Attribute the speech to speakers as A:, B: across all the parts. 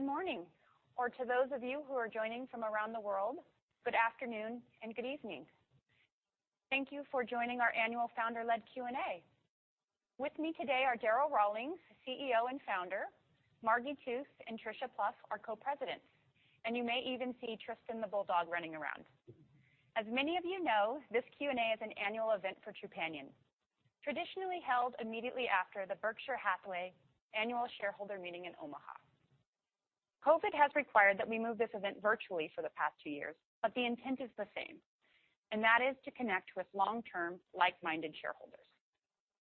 A: Good morning, or to those of you who are joining from around the world, good afternoon and good evening. Thank you for joining our annual founder-led Q&A. With me today are Darryl Rawlings, CEO and founder, Margi Tooth and Tricia Plouf, our co-presidents, and you may even see Tristan the Bulldog running around. As many of you know, this Q&A is an annual event for Trupanion, traditionally held immediately after the Berkshire Hathaway annual shareholder meeting in Omaha. COVID has required that we move this event virtually for the past two years, but the intent is the same, and that is to connect with long-term, like-minded shareholders.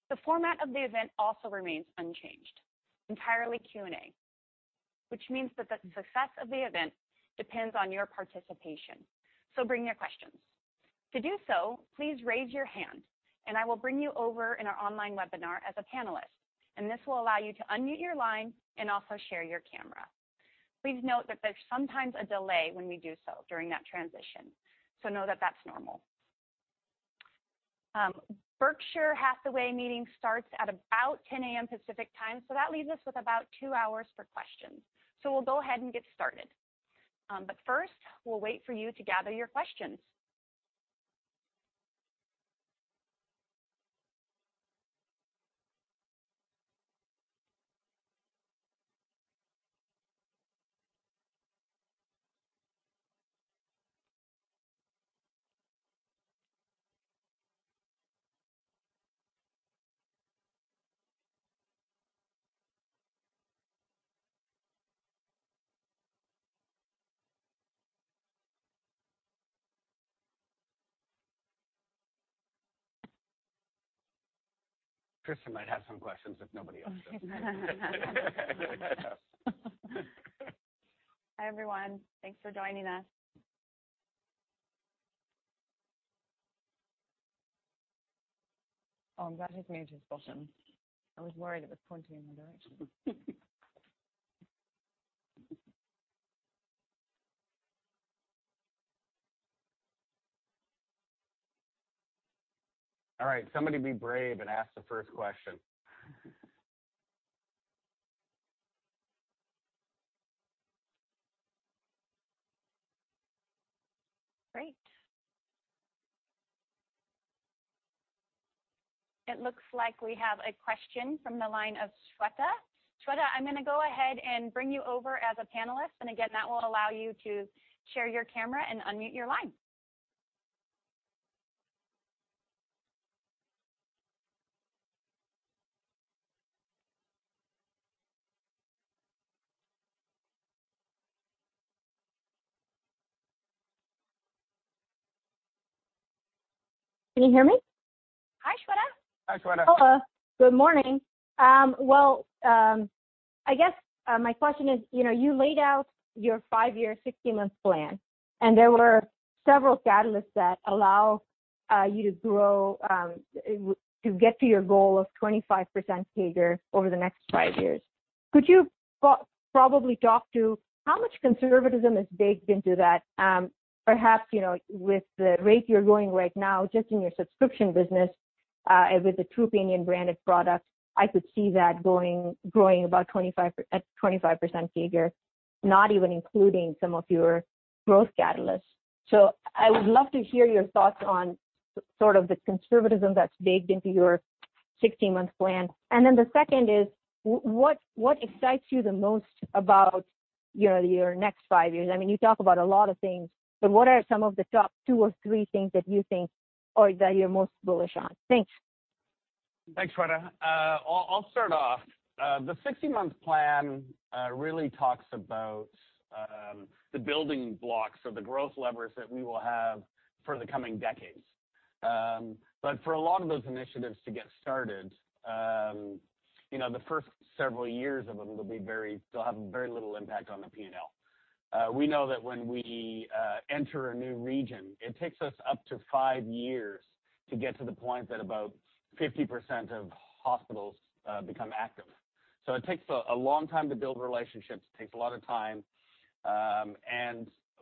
A: The format of the event also remains unchanged, entirely Q&A, which means that the success of the event depends on your participation, so bring your questions. To do so, please raise your hand and I will bring you over in our online webinar as a panelist, and this will allow you to unmute your line and also share your camera. Please note that there's sometimes a delay when we do so during that transition, so know that that's normal. Berkshire Hathaway meeting starts at about 10:00 A.M. Pacific Time. That leaves us with about two hours for questions. We'll go ahead and get started. First, we'll wait for you to gather your questions.
B: Tristan might have some questions if nobody else does.
A: Hi, everyone. Thanks for joining us.
C: Oh, I'm glad he's moved his bottom. I was worried it was pointing in my direction.
B: All right, somebody be brave and ask the first question.
A: Great. It looks like we have a question from the line of Shweta. Shweta, I'm going to go ahead and bring you over as a panelist, and again, that will allow you to share your camera and unmute your line.
D: Can you hear me?
A: Hi, Shweta.
B: Hi, Shweta.
D: Hello. Good morning. I guess my question is, you laid out your five-year, 60-month plan. There were several catalysts that allow you to get to your goal of 25% CAGR over the next five years. Could you probably talk to how much conservatism is baked into that? Perhaps, with the rate you're going right now, just in your subscription business, with the Trupanion-branded product, I could see that growing about at 25% CAGR, not even including some of your growth catalysts. I would love to hear your thoughts on sort of the conservatism that's baked into your 60-month plan. The second is, what excites you the most about your next five years? You talk about a lot of things. What are some of the top two or three things that you're most bullish on? Thanks.
B: Thanks, Shweta. I'll start off. The 60-month plan really talks about the building blocks or the growth levers that we will have for the coming decades. For a lot of those initiatives to get started, the first several years of them they'll have very little impact on the P&L. We know that when we enter a new region, it takes us up to five years to get to the point that about 50% of hospitals become active. It takes a long time to build relationships, it takes a lot of time.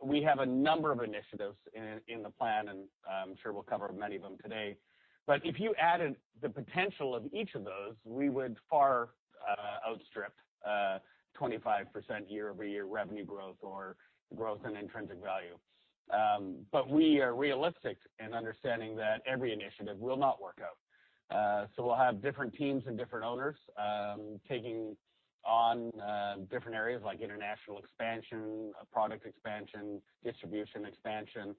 B: We have a number of initiatives in the plan, and I'm sure we'll cover many of them today. If you added the potential of each of those, we would far outstrip 25% year-over-year revenue growth or growth in intrinsic value. We are realistic in understanding that every initiative will not work out. We'll have different teams and different owners, taking on different areas like international expansion, product expansion, distribution expansion.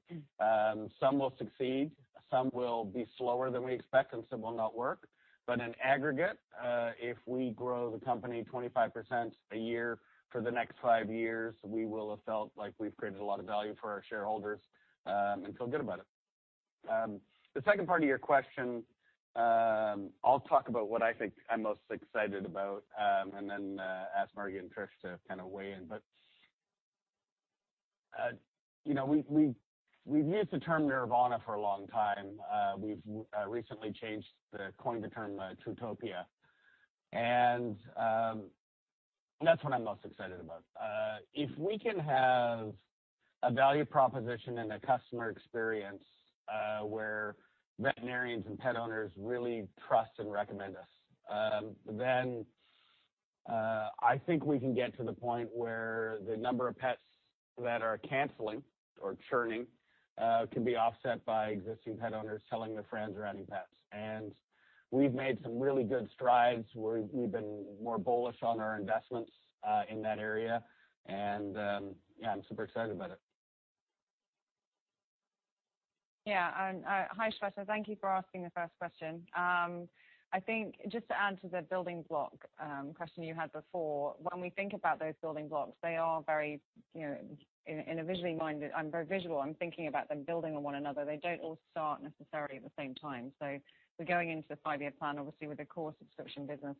B: Some will succeed, some will be slower than we expect, and some will not work. In aggregate, if we grow the company 25% a year for the next five years, we will have felt like we've created a lot of value for our shareholders, and feel good about it. The second part of your question, I'll talk about what I think I'm most excited about, and then ask Margi and Trish to kind of weigh in. We've used the term Nirvana for a long time. We've recently changed, coined the term TruTopia, and that's what I'm most excited about. If we can have a value proposition and a customer experience where veterinarians and pet owners really trust and recommend us. I think we can get to the point where the number of pets that are canceling or churning can be offset by existing pet owners telling their friends who are adding pets. We've made some really good strides. We've been more bullish on our investments in that area. Yeah, I'm super excited about it.
C: Yeah. Hi, Shweta. Thank you for asking the first question. I think just to add to the building block question you had before, when we think about those building blocks, they are very visually-minded. I'm very visual. I'm thinking about them building on one another. They don't all start necessarily at the same time. We're going into the five-year plan obviously with the core subscription business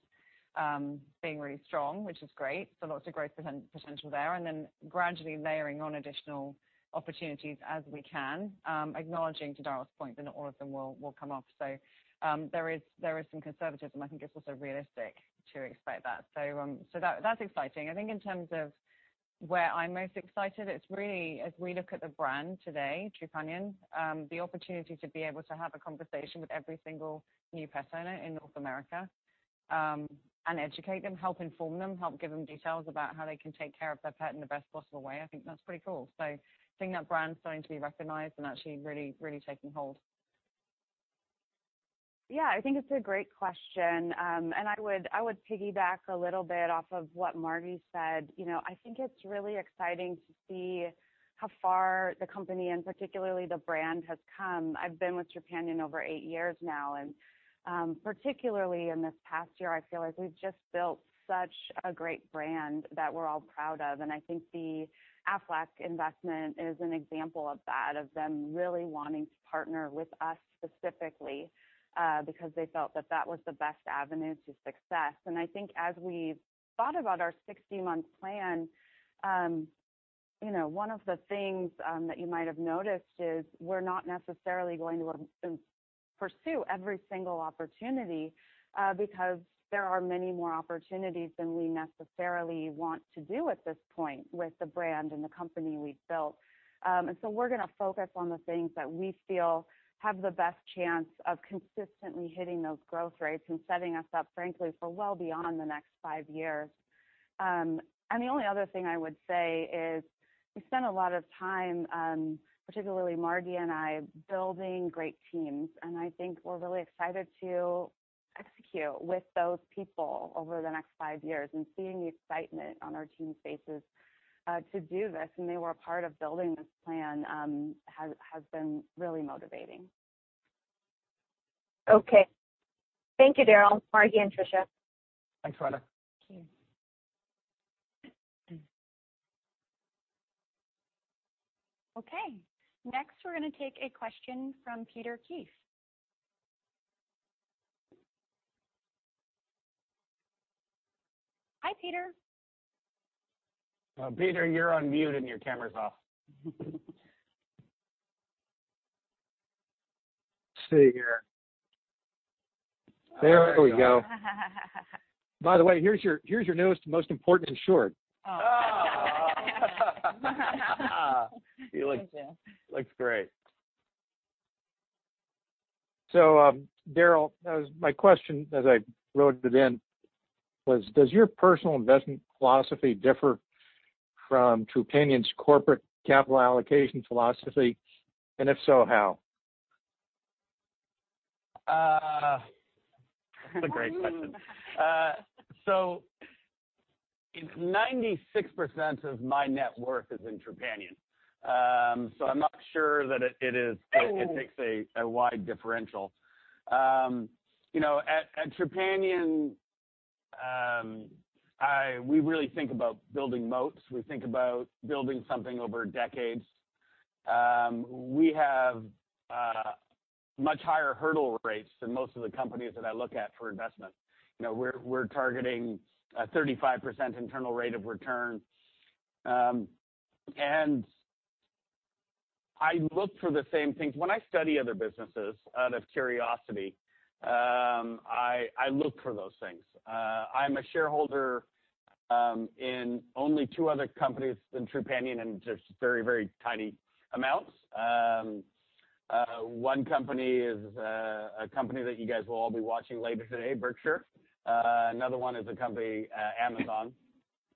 C: being really strong, which is great. Lots of growth potential there, and then gradually layering on additional opportunities as we can, acknowledging to Darryl's point that not all of them will come up. There is some conservatism. I think it's also realistic to expect that. That's exciting. I think in terms of where I'm most excited, it's really as we look at the brand today, Trupanion, the opportunity to be able to have a conversation with every single new pet owner in North America, and educate them, help inform them, help give them details about how they can take care of their pet in the best possible way. I think that's pretty cool. I think that brand's starting to be recognized and actually really taking hold.
E: Yeah, I think it's a great question. I would piggyback a little bit off of what Margi said. I think it's really exciting to see how far the company, and particularly the brand, has come. I've been with Trupanion over eight years now, and particularly in this past year, I feel like we've just built such a great brand that we're all proud of. I think the Aflac investment is an example of that, of them really wanting to partner with us specifically, because they felt that that was the best avenue to success. I think as we've thought about our 60-month plan, one of the things that you might have noticed is we're not necessarily going to pursue every single opportunity because there are many more opportunities than we necessarily want to do at this point with the brand and the company we've built. We're going to focus on the things that we feel have the best chance of consistently hitting those growth rates and setting us up, frankly, for well beyond the next five years. The only other thing I would say is we spent a lot of time, particularly Margi and I, building great teams, and I think we're really excited to execute with those people over the next five years and seeing the excitement on our teams' faces, to do this, and they were a part of building this plan, has been really motivating.
A: Okay. Thank you, Darryl, Margi, and Tricia.
B: Thanks, Rhonda.
E: Thank you.
A: Okay, next we're going to take a question from Peter Keith. Hi, Peter.
B: Peter, you're on mute and your camera's off.
F: Let's see here. There we go.
B: By the way, here's your newest and most important insured.
F: He looks great. Daryl, my question as I loaded it in was, does your personal investment philosophy differ from Trupanion's corporate capital allocation philosophy? If so, how?
B: That's a great question. So 96% of my net worth is in Trupanion, so I'm not sure that it takes a wide differential. At Trupanion, we really think about building moats. We think about building something over decades. We have much higher hurdle rates than most of the companies that I look at for investment. We're targeting a 35% internal rate of return. I look for the same things. When I study other businesses out of curiosity, I look for those things. I'm a shareholder in only two other companies than Trupanion, and just very tiny amounts. One company is a company that you guys will all be watching later today, Berkshire. Another one is a company, Amazon.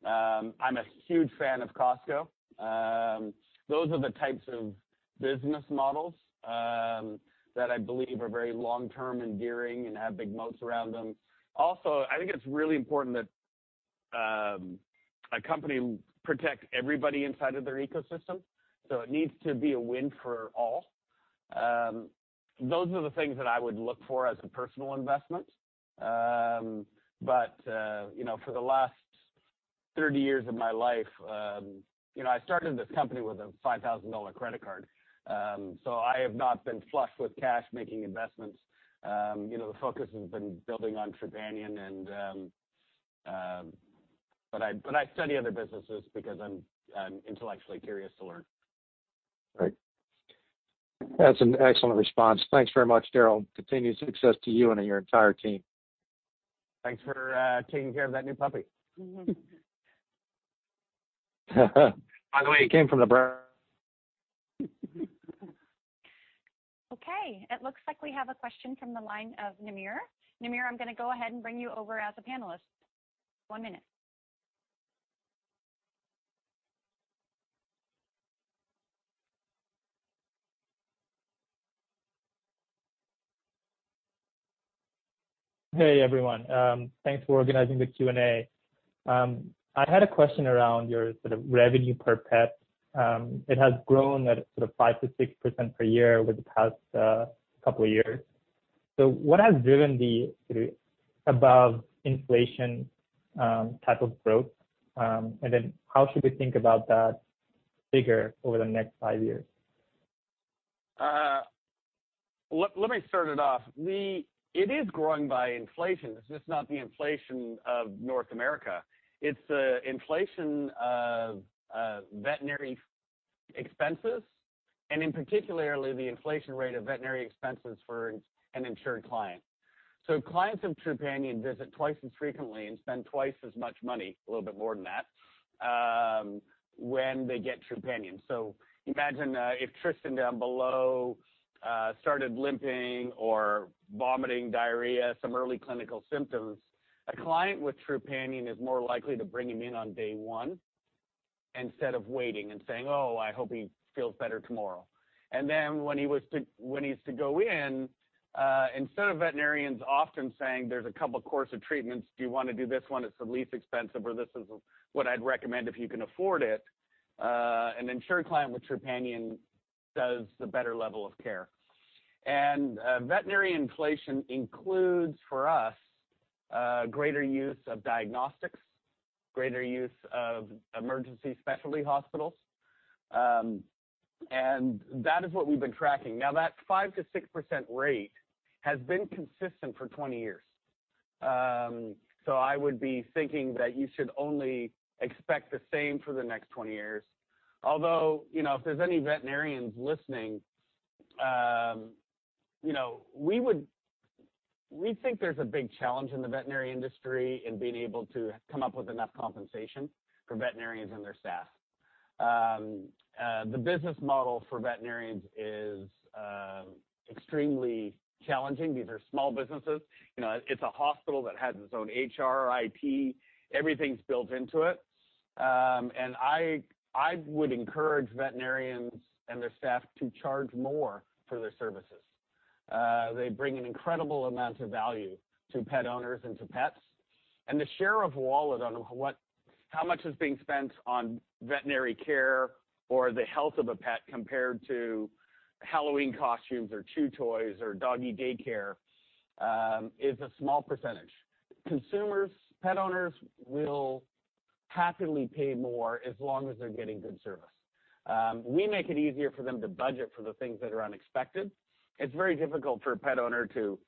B: I'm a huge fan of Costco. Those are the types of business models that I believe are very long-term enduring and have big moats around them. Also, I think it's really important that a company protects everybody inside of their ecosystem, so it needs to be a win for all. Those are the things that I would look for as a personal investment. For the last 30 years of my life, I started this company with a $5,000 credit card. I have not been flush with cash making investments. The focus has been building on Trupanion. I study other businesses because I'm intellectually curious to learn.
F: Great. That's an excellent response. Thanks very much, Darryl. Continued success to you and your entire team.
B: Thanks for taking care of that new puppy.
F: By the way, it came from.
A: Okay. It looks like we have a question from the line of Namir. Namir, I'm going to go ahead and bring you over as a panelist. One minute.
G: Hey, everyone. Thanks for organizing the Q&A. I had a question around your revenue per pet. It has grown at 5%-6% per year over the past couple of years. What has driven the above-inflation type of growth? How should we think about that figure over the next five years?
B: Let me start it off. It is growing by inflation. It is just not the inflation of North America. It is the inflation of veterinary expenses, and in particular, the inflation rate of veterinary expenses for an insured client. Clients of Trupanion visit twice as frequently and spend twice as much money, a little bit more than that, when they get Trupanion. Imagine if Tristan down below started limping or vomiting, diarrhea, some early clinical symptoms. A client with Trupanion is more likely to bring him in on day 1 instead of waiting and saying, "Oh, I hope he feels better tomorrow." When he has to go in, instead of veterinarians often saying, "There is a couple of course of treatments. Do you want to do this one? It's the least expensive," or, "This is what I'd recommend if you can afford it," an insured client with Trupanion does the better level of care. Veterinary inflation includes, for us, greater use of diagnostics, greater use of emergency specialty hospitals. That is what we've been tracking. Now, that 5% to 6% rate has been consistent for 20 years. I would be thinking that you should only expect the same for the next 20 years. Although, if there are any veterinarians listening, we think there's a big challenge in the veterinary industry in being able to come up with enough compensation for veterinarians and their staff. The business model for veterinarians is extremely challenging. These are small businesses. It's a hospital that has its own HR, IT. Everything's built into it. I would encourage veterinarians and their staff to charge more for their services. They bring an incredible amount of value to pet owners and to pets. The share of wallet on how much is being spent on veterinary care or the health of a pet compared to Halloween costumes or chew toys or doggy daycare is a small percentage. Consumers, pet owners will happily pay more as long as they're getting good service. We make it easier for them to budget for the things that are unexpected. It's very difficult for a pet owner to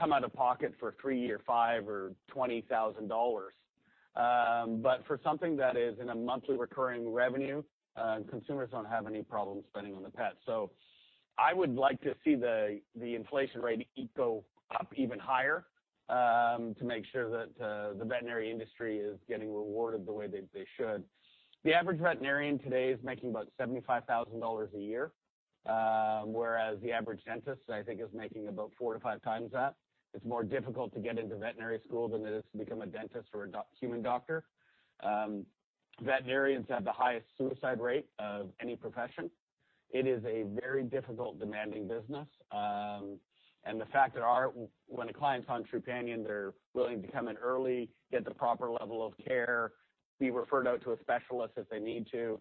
B: come out of pocket for three or five or $20,000. For something that is in a monthly recurring revenue, consumers don't have any problem spending on the pet. I would like to see the inflation rate go up even higher to make sure that the veterinary industry is getting rewarded the way they should. The average veterinarian today is making about $75,000 a year, whereas the average dentist, I think, is making about four to five times that. It's more difficult to get into veterinary school than it is to become a dentist or a human doctor. Veterinarians have the highest suicide rate of any profession. It is a very difficult, demanding business. The fact that when a client's on Trupanion, they're willing to come in early, get the proper level of care, be referred out to a specialist if they need to,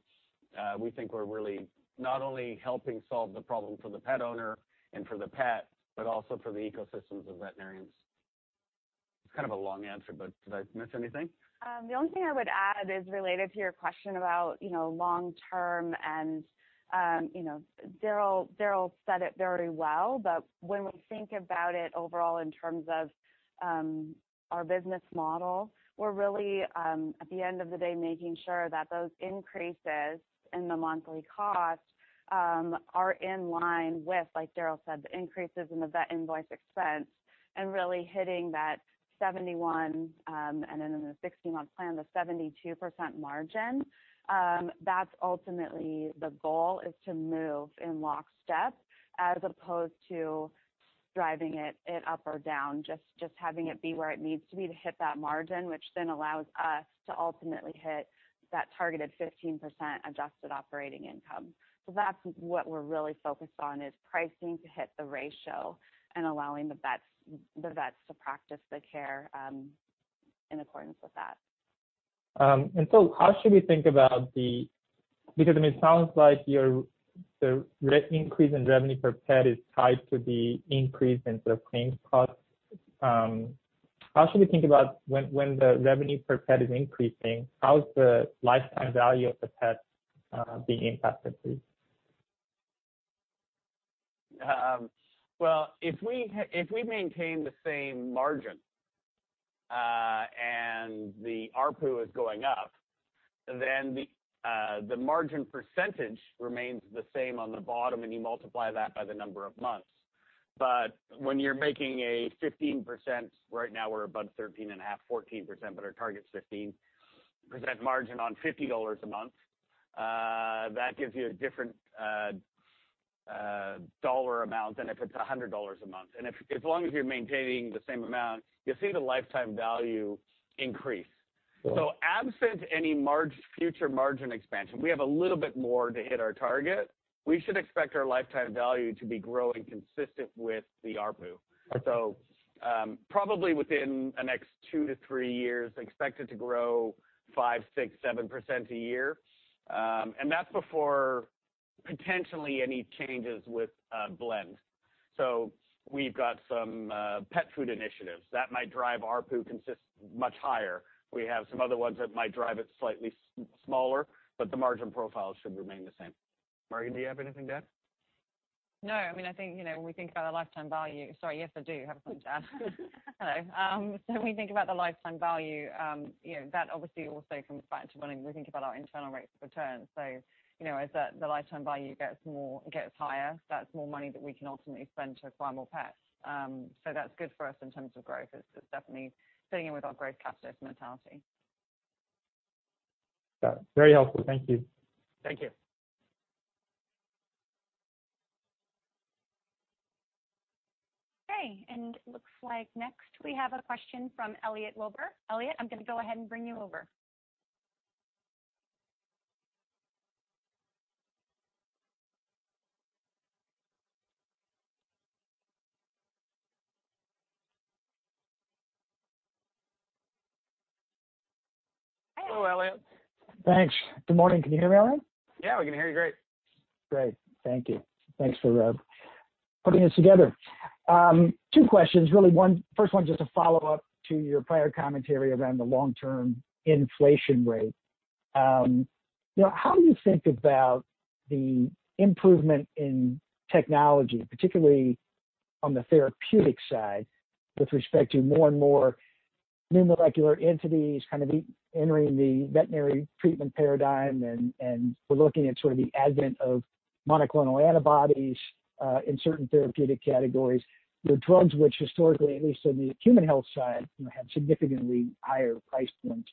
B: we think we're really not only helping solve the problem for the pet owner and for the pet, but also for the ecosystems of veterinarians. It's kind of a long answer, but did I miss anything?
E: The only thing I would add is related to your question about long-term, and Darryl said it very well, but when we think about it overall in terms of our business model, we're really, at the end of the day, making sure that those increases in the monthly cost are in line with, like Darryl said, the increases in the vet invoice expense and really hitting that 71%, and in the 16-month plan, the 72% margin. That's ultimately the goal is to move in lockstep as opposed to driving it up or down, just having it be where it needs to be to hit that margin, which then allows us to ultimately hit that targeted 15% adjusted operating income. That's what we're really focused on is pricing to hit the ratio and allowing the vets to practice the care in accordance with that.
G: How should we think about, I mean, it sounds like the increase in revenue per pet is tied to the increase in claims cost. How should we think about when the revenue per pet is increasing, how is the lifetime value of the pet being impacted, please?
B: Well, if we maintain the same margin, the ARPU is going up, the margin percentage remains the same on the bottom, and you multiply that by the number of months. When you're making a 15%, right now we're above 13.5%, 14%, but our target's 15% margin on $50 a month, that gives you a different dollar amount than if it's $100 a month. As long as you're maintaining the same amount, you'll see the lifetime value increase.
G: Yeah.
B: Absent any future margin expansion, we have a little bit more to hit our target. We should expect our lifetime value to be growing consistent with the ARPU.
G: Okay.
B: Probably within the next two to three years, expect it to grow 5%, 6%, 7% a year. That's before potentially any changes with blend. We've got some pet food initiatives that might drive ARPU much higher. We have some other ones that might drive it slightly smaller, but the margin profile should remain the same.
G: Margi Tooth, do you have anything to add?
C: No. When we think about the lifetime value Sorry, yes, I do have something to add. Hello. When we think about the lifetime value, that obviously also comes back to when we think about our internal rates of return. As the lifetime value gets higher, that's more money that we can ultimately spend to acquire more pets. That's good for us in terms of growth. It's definitely fitting in with our growth catalyst mentality.
G: Got it. Very helpful. Thank you.
B: Thank you.
A: Okay, looks like next we have a question from Elliot Wilbur. Elliot, I'm going to go ahead and bring you over. Hi, Elliot.
B: Hello, Elliot.
H: Thanks. Good morning. Can you hear me all right?
B: Yeah, we can hear you great.
H: Great. Thank you. Thanks for putting this together. Two questions, really. First one's just a follow-up to your prior commentary around the long-term inflation rate. How do you think about the improvement in technology, particularly on the therapeutic side, with respect to more and more new molecular entities entering the veterinary treatment paradigm, and we're looking at sort of the advent of monoclonal antibodies in certain therapeutic categories. They're drugs which historically, at least on the human health side, have significantly higher price points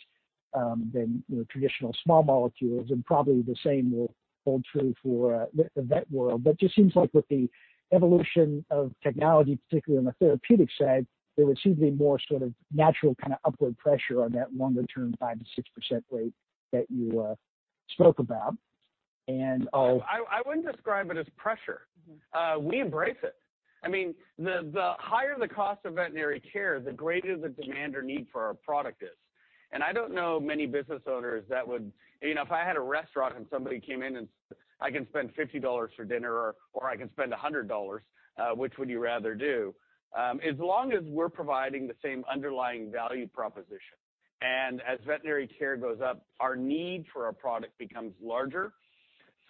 H: than traditional small molecules, and probably the same will hold true for the vet world. Just seems like with the evolution of technology, particularly on the therapeutic side, there would seem to be more sort of natural upward pressure on that longer-term 5%-6% rate that you spoke about.
B: I wouldn't describe it as pressure. We embrace it. The higher the cost of veterinary care, the greater the demand or need for our product is. I don't know many business owners. If I had a restaurant and somebody came in and said, "I can spend $50 for dinner, or I can spend $100. Which would you rather do?" As long as we're providing the same underlying value proposition, and as veterinary care goes up, our need for our product becomes larger.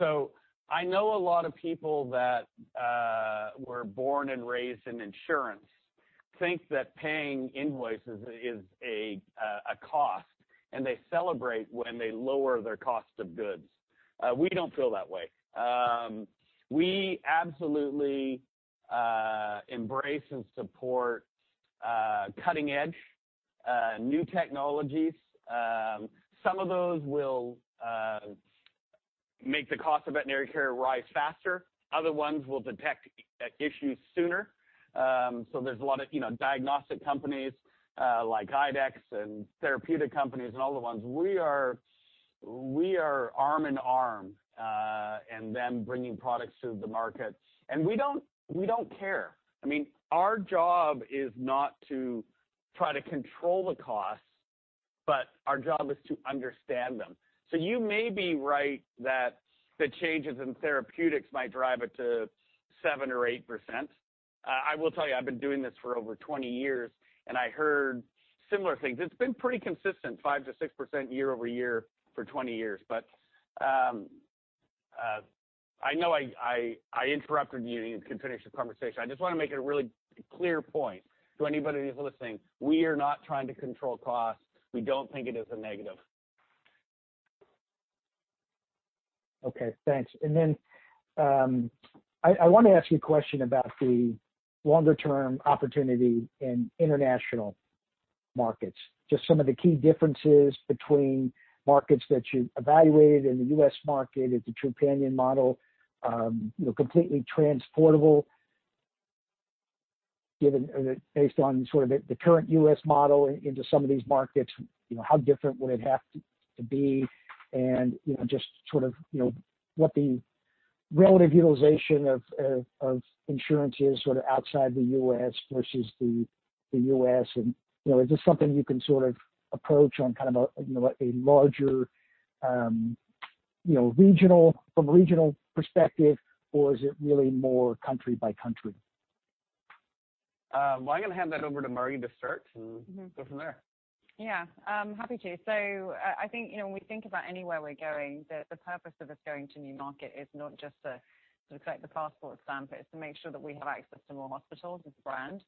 B: I know a lot of people that were born and raised in insurance think that paying invoices is a cost, and they celebrate when they lower their cost of goods. We don't feel that way. We absolutely embrace and support cutting-edge new technologies. Some of those will make the cost of veterinary care rise faster. Other ones will detect issues sooner. There's a lot of diagnostic companies, like IDEXX and therapeutic companies and all the ones. We are arm in arm in them bringing products to the market, and we don't care. Our job is not to try to control the costs, but our job is to understand them. You may be right that the changes in therapeutics might drive it to 7% or 8%. I will tell you, I've been doing this for over 20 years, and I heard similar things. It's been pretty consistent, 5%-6% year-over-year for 20 years. I know I interrupted you. You can finish the conversation. I just want to make a really clear point to anybody who's listening. We are not trying to control costs. We don't think it is a negative.
H: Okay, thanks. I want to ask you a question about the longer-term opportunity in international markets, just some of the key differences between markets that you've evaluated in the U.S. market. Is the Trupanion model completely transportable based on the current U.S. model into some of these markets? How different would it have to be? Just what the relative utilization of insurance is outside the U.S. versus the U.S., is this something you can approach on a larger regional perspective, or is it really more country by country?
B: Well, I'm going to hand that over to Margi Tooth to start. Go from there.
C: Happy to. I think, when we think about anywhere we're going, the purpose of us going to new market is not just to collect the passport stamp, it's to make sure that we have access to more hospitals with the brand.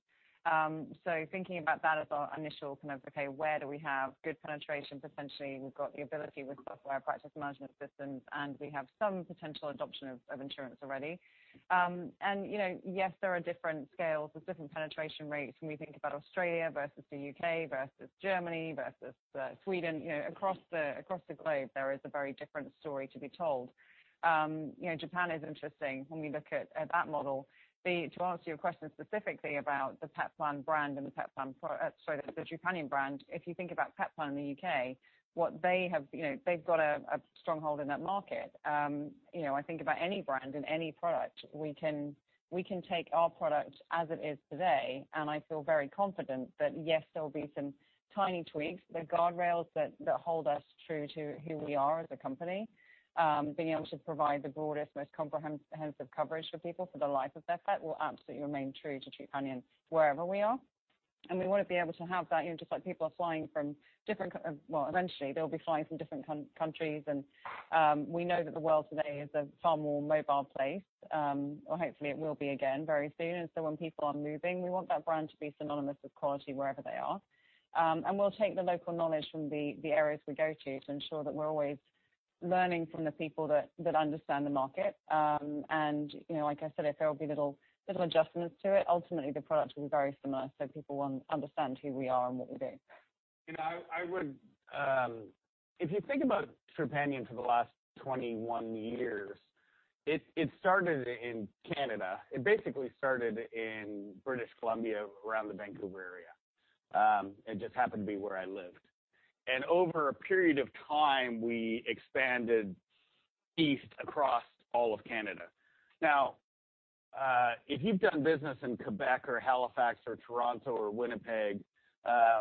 C: Thinking about that as our initial kind of, okay, where do we have good penetration potentially, and we've got the ability with software practice management systems, and we have some potential adoption of insurance already. Yes, there are different scales. There's different penetration rates when we think about Australia versus the U.K. versus Germany versus Sweden. Across the globe, there is a very different story to be told. Japan is interesting when we look at that model. To answer your question specifically about the Petplan brand and the Trupanion brand. If you think about Petplan in the U.K., they've got a stronghold in that market. I think about any brand and any product, we can take our product as it is today, and I feel very confident that, yes, there'll be some tiny tweaks. The guardrails that hold us true to who we are as a company, being able to provide the broadest, most comprehensive coverage for people for the life of their pet will absolutely remain true to Trupanion wherever we are. We want to be able to have that, just like people are flying from different Well, eventually, they'll be flying from different countries and we know that the world today is a far more mobile place, or hopefully it will be again very soon. When people are moving, we want that brand to be synonymous with quality wherever they are. We'll take the local knowledge from the areas we go to ensure that we're always learning from the people that understand the market. Like I said, if there will be little adjustments to it, ultimately, the product will be very similar, so people will understand who we are and what we do.
B: If you think about Trupanion for the last 21 years, it started in Canada. It basically started in British Columbia, around the Vancouver area. It just happened to be where I lived. Over a period of time, we expanded east across all of Canada. If you've done business in Quebec or Halifax or Toronto or Winnipeg,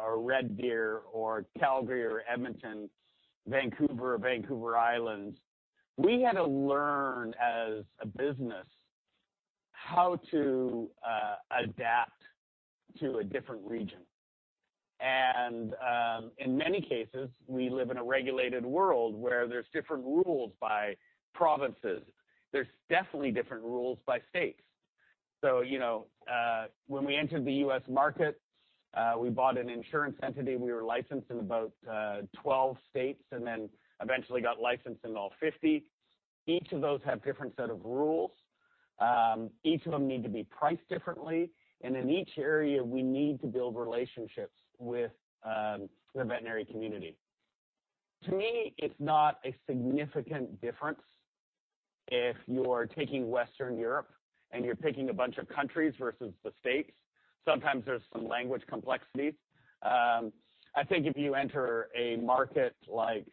B: or Red Deer or Calgary or Edmonton, Vancouver or Vancouver Island, we had to learn as a business how to adapt to a different region. In many cases, we live in a regulated world where there's different rules by provinces. There's definitely different rules by states. When we entered the U.S. market, we bought an insurance entity. We were licensed in about 12 states, and then eventually got licensed in all 50. Each of those have different set of rules. Each of them need to be priced differently. In each area, we need to build relationships with the veterinary community. To me, it's not a significant difference if you're taking Western Europe and you're picking a bunch of countries versus the States. Sometimes there's some language complexities. I think if you enter a market like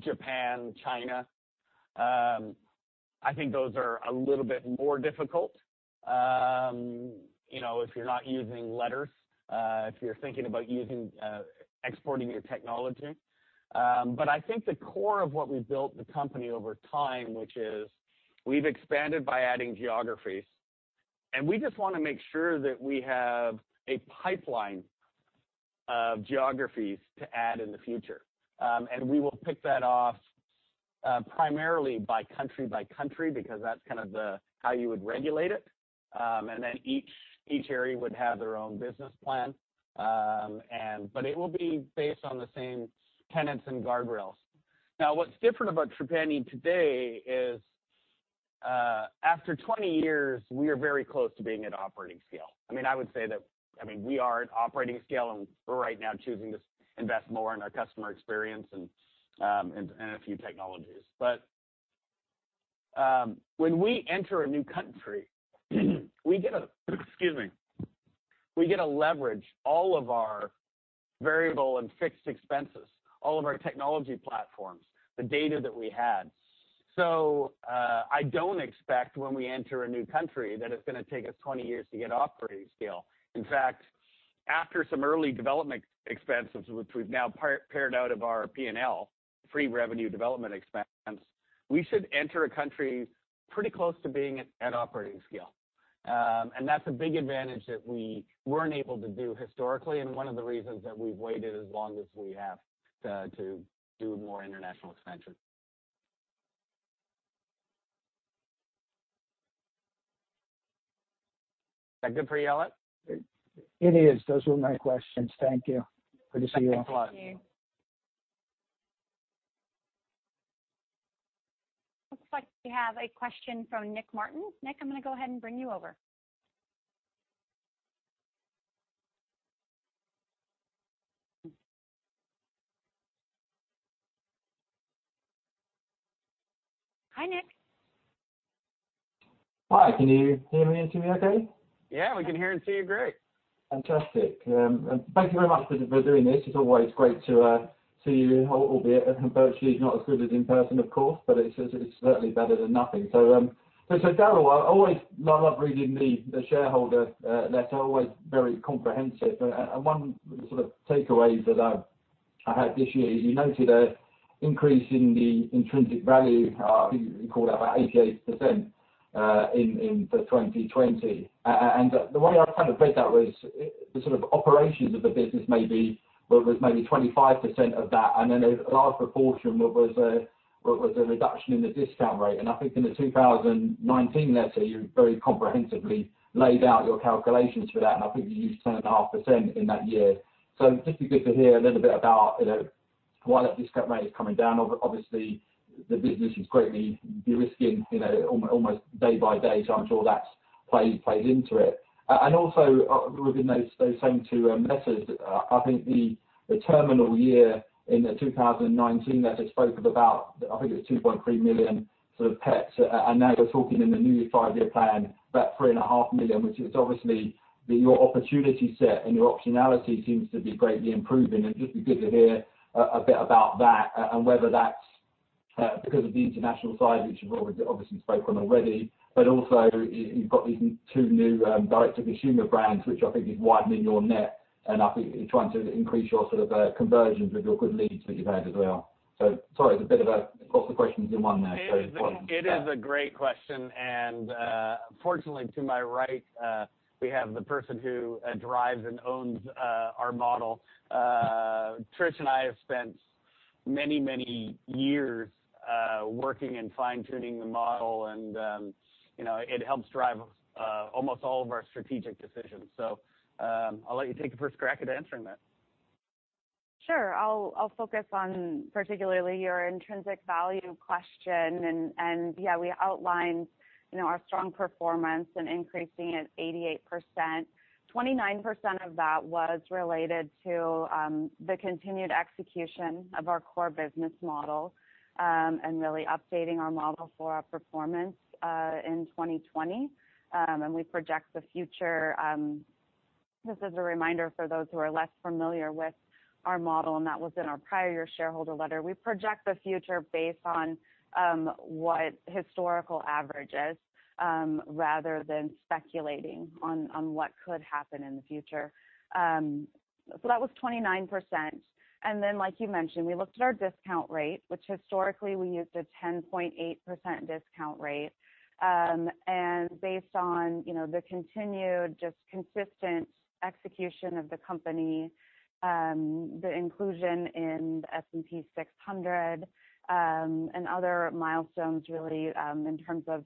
B: Japan, China, I think those are a little bit more difficult, if you're not using letters, if you're thinking about exporting your technology. I think the core of what we built the company over time, which is we've expanded by adding geographies. We just want to make sure that we have a pipeline of geographies to add in the future. We will pick that off primarily by country by country, because that's kind of how you would regulate it. Then each area would have their own business plan. It will be based on the same tenets and guardrails. Now, what's different about Trupanion today is, after 20 years, we are very close to being at operating scale. I would say that we are at operating scale, and we're right now choosing to invest more in our customer experience and a few technologies. When we enter a new country, we get, excuse me, to leverage all of our variable and fixed expenses, all of our technology platforms, the data that we had. I don't expect when we enter a new country that it's going to take us 20 years to get operating scale. In fact, after some early development expenses, which we've now paired out of our P&L, pre-revenue development expense, we should enter a country pretty close to being at operating scale. That's a big advantage that we weren't able to do historically, and one of the reasons that we've waited as long as we have to do more international expansion. Is that good for you, Elliot?
H: It is. Those were my questions. Thank you. Good to see you all.
C: Thank you.
B: Thank you.
A: Looks like we have a question from Nick Martin. Nick, I'm going to go ahead and bring you over. Hi, Nick.
I: Hi, can you hear me and see me okay?
B: Yeah, we can hear and see you great.
I: Fantastic. Thank you very much for doing this. It's always great to see you, albeit virtually. It's not as good as in person, of course, but it's certainly better than nothing. Darryl, I love reading the shareholder letter. Always very comprehensive. One sort of takeaway that I had this year, you noted an increase in the intrinsic value, I think you called out about 88% in 2020. The way I read that was the sort of operations of the business maybe, was maybe 25% of that, then a large proportion was a reduction in the discount rate. I think in the 2019 letter, you very comprehensively laid out your calculations for that, I think you used 10.5% in that year. It'd just be good to hear a little bit about why that discount rate is coming down. Obviously, the business is greatly de-risking almost day by day, so I'm sure that's played into it. Also, within those same two letters, I think the terminal year in the 2019 letter spoke of about, I think it was 2.3 million sort of pets. Now you're talking in the new five-year plan about 3.5 million, which is obviously your opportunity set and your optionality seems to be greatly improving. It'd just be good to hear a bit about that and whether that's because of the international side, which you've obviously spoken on already. Also, you've got these two new direct-to-consumer brands, which I think is widening your net, and I think you're trying to increase your sort of conversions with your good leads that you've had as well. Sorry, it's a bit of a couple of questions in one there.
B: It is a great question, and fortunately to my right, we have the person who drives and owns our model. Trish and I have spent many years working and fine-tuning the model and it helps drive almost all of our strategic decisions. I'll let you take the first crack at answering that.
E: Sure. I'll focus on particularly your intrinsic value question. Yeah, we outlined our strong performance and increasing it 88%. 29% of that was related to the continued execution of our core business model, and really updating our model for our performance in 2020. We project the future. This is a reminder for those who are less familiar with our model, and that was in our prior year shareholder letter. We project the future based on what historical average is, rather than speculating on what could happen in the future. That was 29%. Then like you mentioned, we looked at our discount rate, which historically we used a 10.8% discount rate. Based on the continued, just consistent execution of the company, the inclusion in the S&P 600, and other milestones really, in terms of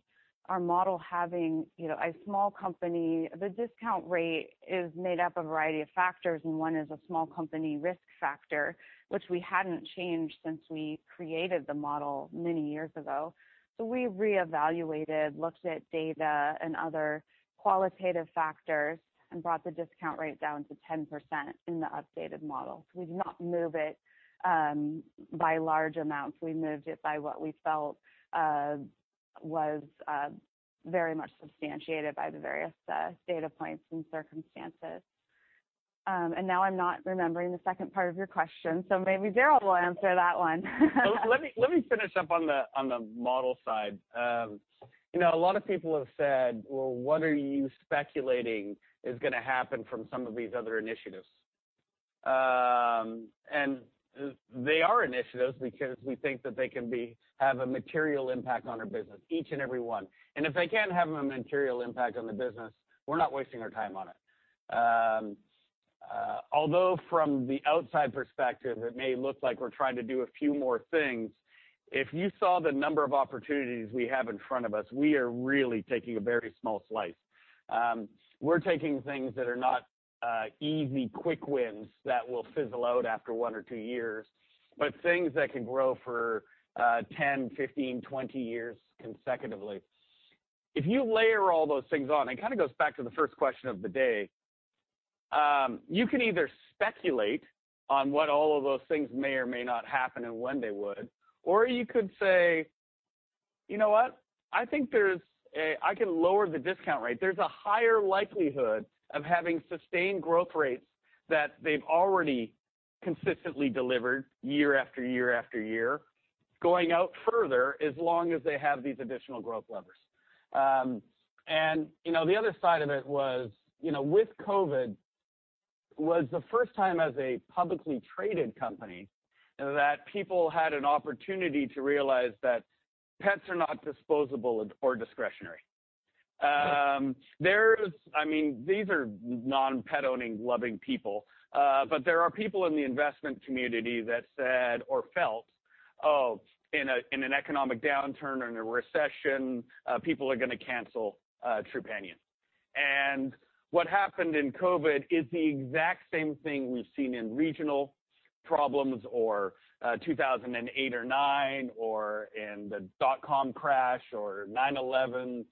E: our model having a small company The discount rate is made up of a variety of factors, and one is a small company risk factor, which we hadn't changed since we created the model many years ago. We reevaluated, looked at data and other qualitative factors and brought the discount rate down to 10% in the updated model. We did not move it by large amounts. We moved it by what we felt was very much substantiated by the various data points and circumstances. Now I'm not remembering the second part of your question, so maybe Darryl will answer that one.
B: Let me finish up on the model side. A lot of people have said, "Well, what are you speculating is gonna happen from some of these other initiatives?" They are initiatives because we think that they can have a material impact on our business, each and every one. If they can't have a material impact on the business, we're not wasting our time on it. Although from the outside perspective, it may look like we're trying to do a few more things. If you saw the number of opportunities we have in front of us, we are really taking a very small slice. We're taking things that are not easy, quick wins that will fizzle out after one or two years, but things that can grow for 10, 15, 20 years consecutively. If you layer all those things on, it kind of goes back to the first question of the day. You can either speculate on what all of those things may or may not happen and when they would, or you could say, "You know what? I think I can lower the discount rate." There's a higher likelihood of having sustained growth rates that they've already consistently delivered year after year after year, going out further as long as they have these additional growth levers. The other side of it was, with COVID, was the first time as a publicly traded company that people had an opportunity to realize that pets are not disposable or discretionary. These are non-pet owning, loving people. There are people in the investment community that said or felt, "Oh, in an economic downturn or in a recession, people are gonna cancel Trupanion." What happened in COVID is the exact same thing we've seen in regional problems or 2008 or 2009, or in the dot-com crash, or 9/11,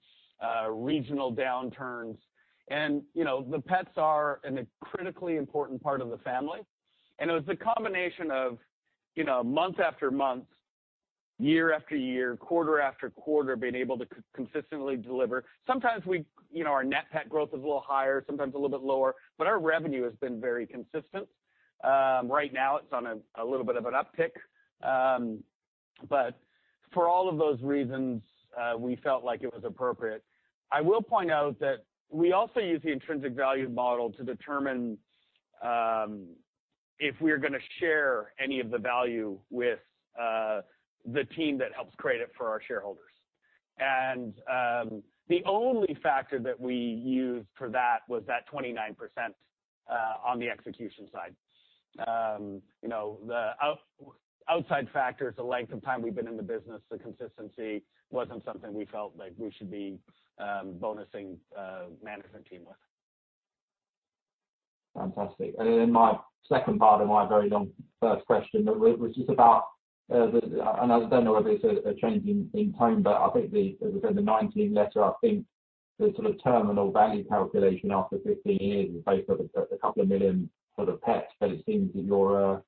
B: regional downturns. The pets are a critically important part of the family. It was the combination of month after month, year after year, quarter after quarter, being able to consistently deliver. Sometimes our net pet growth is a little higher, sometimes a little bit lower, but our revenue has been very consistent. Right now it's on a little bit of an uptick. For all of those reasons, we felt like it was appropriate. I will point out that we also use the intrinsic value model to determine if we're going to share any of the value with the team that helps create it for our shareholders. The only factor that we used for that was that 29% on the execution side. The outside factors, the length of time we've been in the business, the consistency, wasn't something we felt like we should be bonusing management team with.
I: Fantastic. In my second part of my very long first question, which is about I don't know whether it's a change in tone, but I think within the 2019 letter, I think the sort of terminal value calculation after 15 years is based on a couple of million sort of pets, but it seems that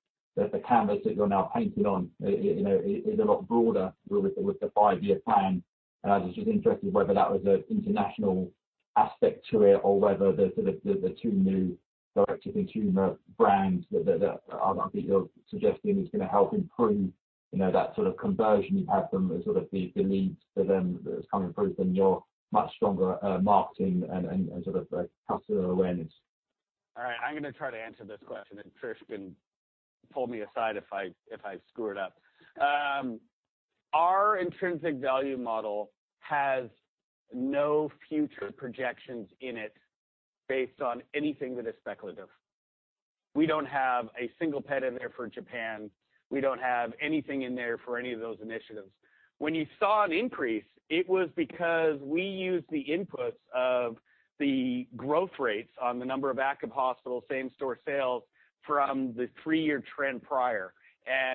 I: the canvas that you're now painting on is a lot broader with the five-year plan. I was just interested whether that was an international aspect to it or whether the two new direct-to-consumer brands that I think you're suggesting is going to help improve that sort of conversion you have from the sort of the leads for them that has come improved and your much stronger marketing and sort of customer awareness?
B: All right. I'm going to try to answer this question, and Trish can pull me aside if I screw it up. Our intrinsic value model has no future projections in it based on anything that is speculative. We don't have a single pet in there for Japan. We don't have anything in there for any of those initiatives. When you saw an increase, it was because we used the inputs of the growth rates on the number of ACAP hospitals, same-store sales from the three-year trend prior.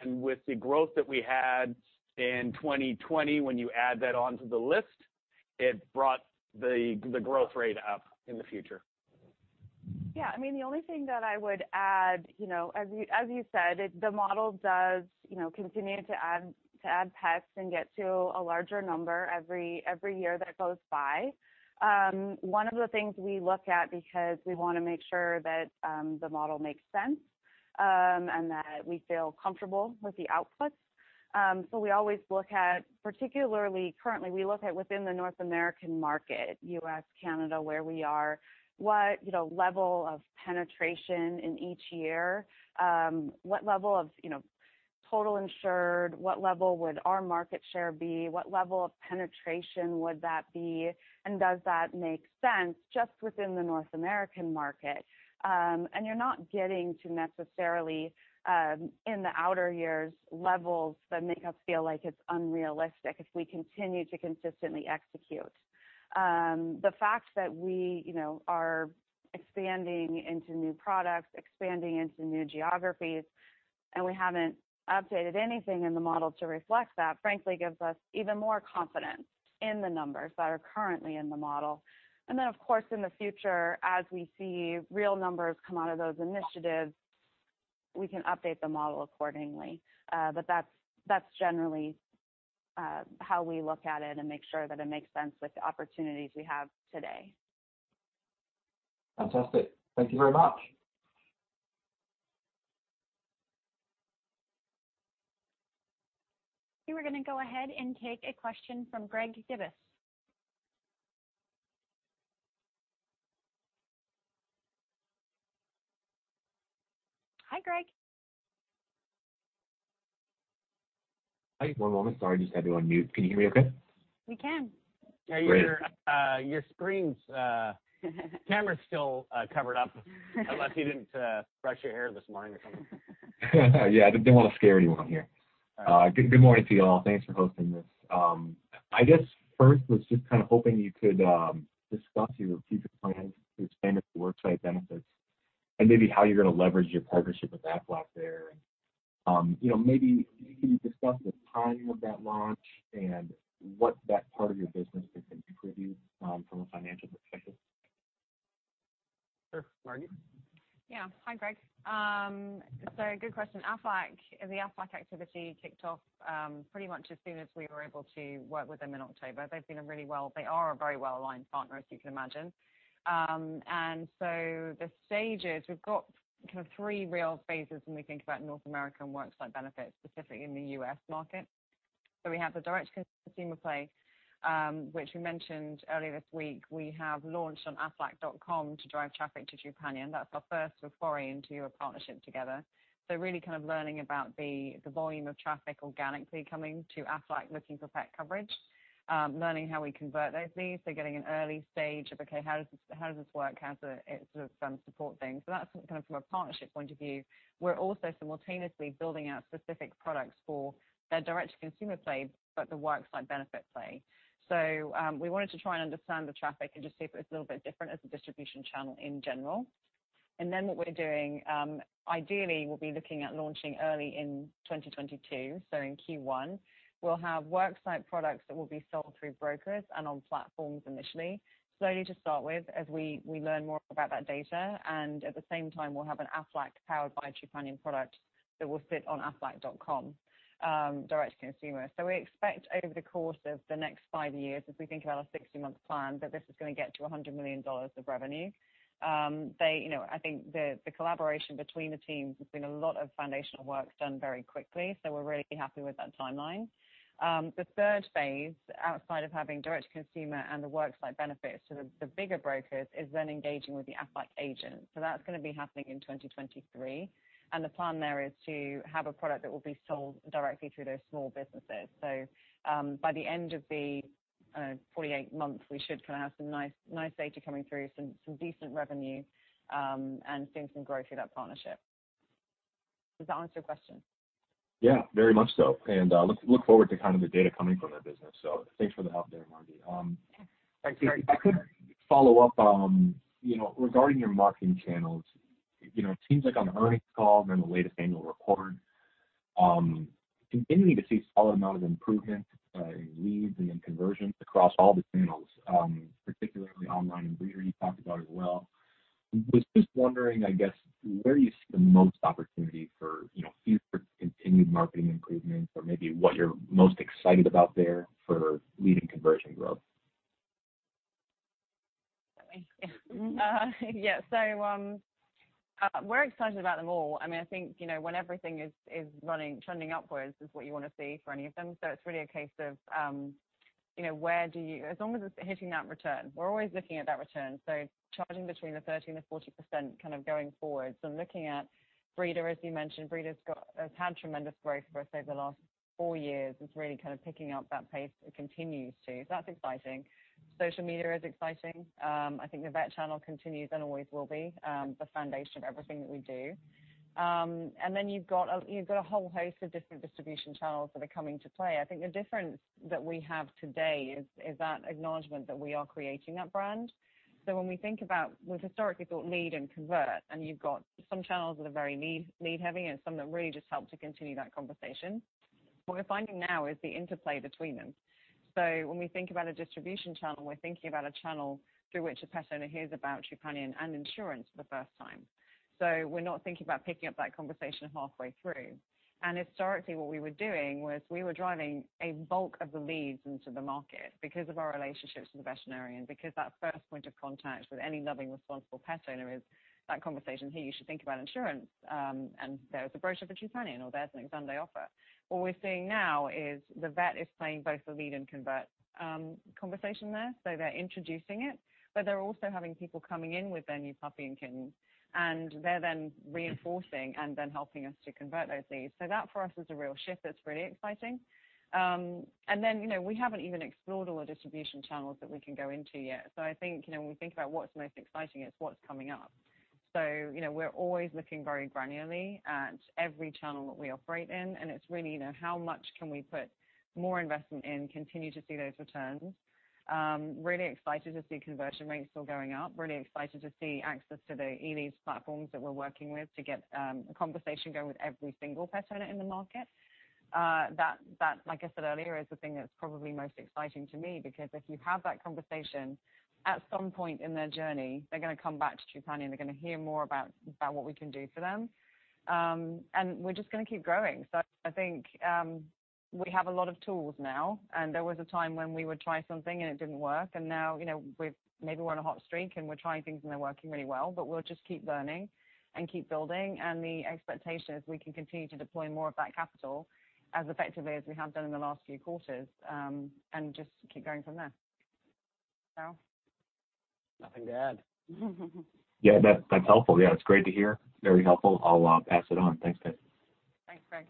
B: With the growth that we had in 2020, when you add that onto the list, it brought the growth rate up in the future.
E: Yeah. The only thing that I would add, as you said, the model does continue to add pets and get to a larger number every year that goes by. One of the things we look at, because we want to make sure that the model makes sense, and that we feel comfortable with the outputs. We always look at, particularly currently, we look at within the North American market, U.S., Canada, where we are, what level of penetration in each year, what level of total insured, what level would our market share be, what level of penetration would that be, and does that make sense just within the North American market? You're not getting to necessarily, in the outer years, levels that make us feel like it's unrealistic if we continue to consistently execute. The fact that we are expanding into new products, expanding into new geographies, and we haven't updated anything in the model to reflect that, frankly, gives us even more confidence in the numbers that are currently in the model. Of course, in the future, as we see real numbers come out of those initiatives, we can update the model accordingly. That's generally how we look at it and make sure that it makes sense with the opportunities we have today.
I: Fantastic. Thank you very much.
A: We're going to go ahead and take a question from Greg Gibas. Hi, Greg.
J: Hi, one moment. Sorry, just had to go on mute. Can you hear me okay?
A: We can.
J: Great.
B: Yeah, your camera's still covered up. Unless you didn't brush your hair this morning or something.
J: Yeah, didn't want to scare anyone here. Good morning to you all. Thanks for hosting this. I guess first, was just kind of hoping you could discuss your future plans to expand into worksite benefits, and maybe how you're going to leverage your partnership with Aflac there. Maybe you can discuss the timing of that launch and what that part of your business could then contribute from a financial perspective.
B: Trish, why don't you?
E: Yeah. Hi, Greg. Good question. The Aflac activity kicked off pretty much as soon as we were able to work with them in October. They are a very well-aligned partner, as you can imagine. The stages, we've got kind of three real phases when we think about North American worksite benefits, specifically in the U.S. market. We have the direct-to-consumer play, which we mentioned earlier this week. We have launched on aflac.com to drive traffic to Trupanion. That's our first foray into a partnership together. Really kind of learning about the volume of traffic organically coming to Aflac looking for pet coverage, learning how we convert those leads. Getting an early stage of, okay, how does this work? How does it sort of support things? That's kind of from a partnership point of view. We're also simultaneously building out specific products for their direct-to-consumer play, the worksite benefit play. We wanted to try and understand the traffic and just see if it's a little bit different as a distribution channel in general. What we're doing, ideally, we'll be looking at launching early in 2022, in Q1. We'll have worksite products that will be sold through brokers and on platforms initially. Slowly to start with as we learn more about that data, and at the same time, we'll have an Aflac Powered by Trupanion product that will sit on aflac.com, direct to consumer. We expect over the course of the next five years, as we think about our 60-month plan, that this is going to get to $100 million of revenue. I think the collaboration between the teams, there's been a lot of foundational work done very quickly. We're really happy with that timeline. The third phase, outside of having direct to consumer and the worksite benefits to the bigger brokers, is engaging with the Aflac agent. That's going to be happening in 2023. The plan there is to have a product that will be sold directly through those small businesses.
C: I don't know, 48 months, we should have some nice data coming through, some decent revenue, and seeing some growth through that partnership. Does that answer your question?
J: Yeah, very much so. Look forward to the data coming from that business. Thanks for the help there, Margi.
C: Yeah.
J: Thanks. If I could follow up, regarding your marketing channels, it seems like on the earnings call and then the latest annual report, continuing to see a solid amount of improvement in leads and in conversions across all the channels, particularly online and Breeder you talked about as well. I was just wondering, I guess, where you see the most opportunity for future continued marketing improvements or maybe what you're most excited about there for lead and conversion growth?
C: Yeah. We're excited about them all. I think, when everything is trending upwards is what you want to see for any of them. It's really a case of as long as it's hitting that return. We're always looking at that return. Charging between the 30% and the 40% going forward. Looking at Breeder, as you mentioned, Breeders had tremendous growth for, say, the last four years. It's really kind of picking up that pace. It continues to. That's exciting. Social media is exciting. I think the vet channel continues and always will be the foundation of everything that we do. You've got a whole host of different distribution channels that are coming to play. I think the difference that we have today is that acknowledgment that we are creating that brand. When we think about, we've historically thought lead and convert, and you've got some channels that are very lead heavy and some that really just help to continue that conversation. What we're finding now is the interplay between them. When we think about a distribution channel, we're thinking about a channel through which a pet owner hears about Trupanion and insurance for the first time. We're not thinking about picking up that conversation halfway through. Historically what we were doing was we were driving a bulk of the leads into the market because of our relationships with the veterinarians, because that first point of contact with any loving, responsible pet owner is that conversation, "Hey, you should think about insurance." There is a brochure for Trupanion or there's an exam day offer. What we're seeing now is the vet is playing both the lead and convert conversation there. They're introducing it, but they're also having people coming in with their new puppy and kittens, and they're then reinforcing and then helping us to convert those leads. That for us is a real shift that's really exciting. We haven't even explored all the distribution channels that we can go into yet. I think, when we think about what's most exciting, it's what's coming up. We're always looking very granularly at every channel that we operate in, and it's really, how much can we put more investment in, continue to see those returns? Really excited to see conversion rates still going up. Really excited to see access to the e-leads platforms that we're working with to get the conversation going with every single pet owner in the market. That, like I said earlier, is the thing that's probably most exciting to me because if you have that conversation, at some point in their journey, they're going to come back to Trupanion. They're going to hear more about what we can do for them. We're just going to keep growing. I think, we have a lot of tools now, and there was a time when we would try something and it didn't work. Now, maybe we're on a hot streak and we're trying things and they're working really well, but we'll just keep learning and keep building. The expectation is we can continue to deploy more of that capital as effectively as we have done in the last few quarters, and just keep going from there. Darryl?
B: Nothing to add.
J: Yeah. That's helpful. Yeah, it's great to hear. Very helpful. I'll pass it on. Thanks, guys.
C: Thanks, Greg.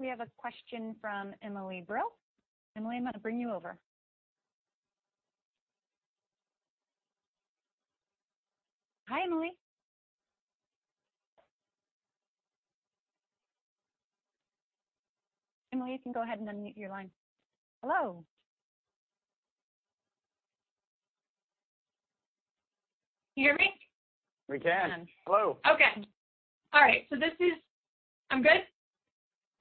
A: We have a question from Emily Brill. Emily, I'm going to bring you over. Hi, Emily. Emily, you can go ahead and unmute your line. Hello?
K: Can you hear me?
B: We can. Hello.
K: Okay. All right. I'm good?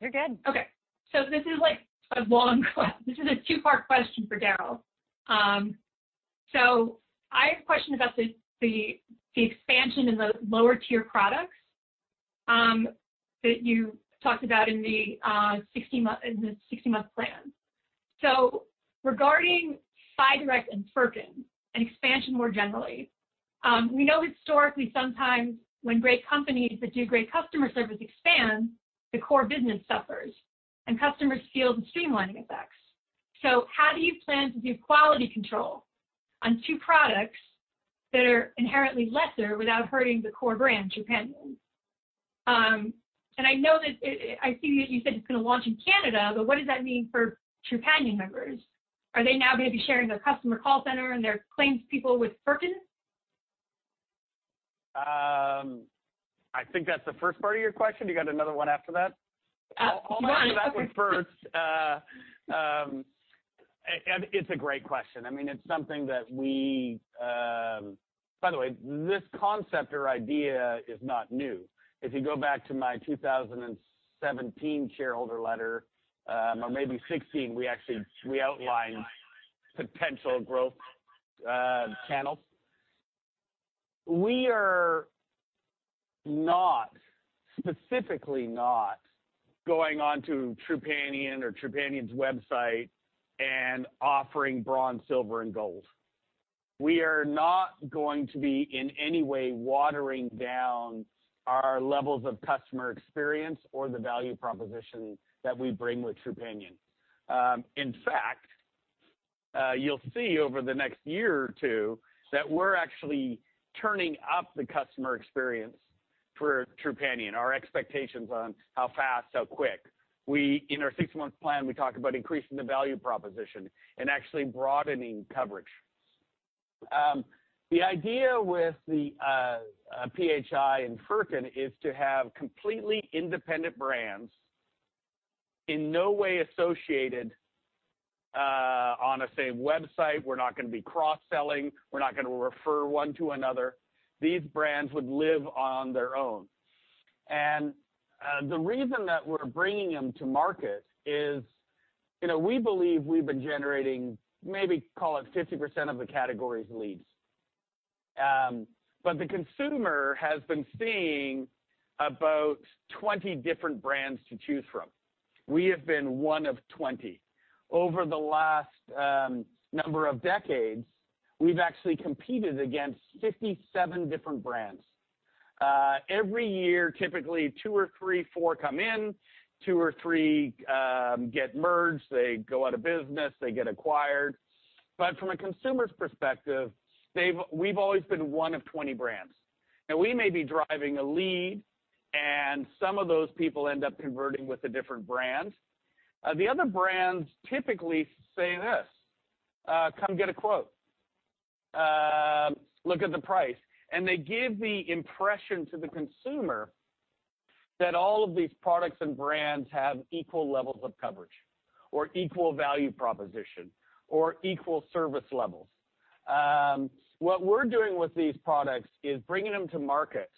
A: You're good.
K: Okay. This is a two-part question for Darryl. I have a question about the expansion in the lower-tier products that you talked about in the 60-month plan. Regarding PHI Direct and Furkin and expansion more generally, we know historically sometimes when great companies that do great customer service expand, the core business suffers and customers feel the streamlining effects. How do you plan to do quality control on two products that are inherently lesser without hurting the core brand, Trupanion? I see that you said it's going to launch in Canada, but what does that mean for Trupanion members? Are they now going to be sharing their customer call center and their claims people with Furkin?
B: I think that's the first part of your question. You got another one after that?
K: One.
B: I'll answer that one first. It's a great question. This concept or idea is not new. If you go back to my 2017 shareholder letter, or maybe 2016, we outlined potential growth channels. We are specifically not going onto Trupanion or Trupanion's website and offering bronze, silver and gold. We are not going to be in any way watering down our levels of customer experience or the value proposition that we bring with Trupanion. In fact, you'll see over the next year or two that we're actually turning up the customer experience for Trupanion, our expectations on how fast, how quick. In our six-month plan, we talk about increasing the value proposition and actually broadening coverage. The idea with the PHI and Furkin is to have completely independent brands in no way associated on a same website. We're not going to be cross-selling. We're not going to refer one to another. These brands would live on their own. The reason that we're bringing them to market is we believe we've been generating, maybe call it 50% of the category's leads. The consumer has been seeing about 20 different brands to choose from. We have been one of 20. Over the last number of decades, we've actually competed against 57 different brands. Every year, typically two or three, four come in, two or three get merged, they go out of business, they get acquired. From a consumer's perspective, we've always been one of 20 brands. Now we may be driving a lead and some of those people end up converting with a different brand. The other brands typically say this, "Come get a quote. Look at the price. They give the impression to the consumer that all of these products and brands have equal levels of coverage or equal value proposition or equal service levels. What we're doing with these products is bringing them to market.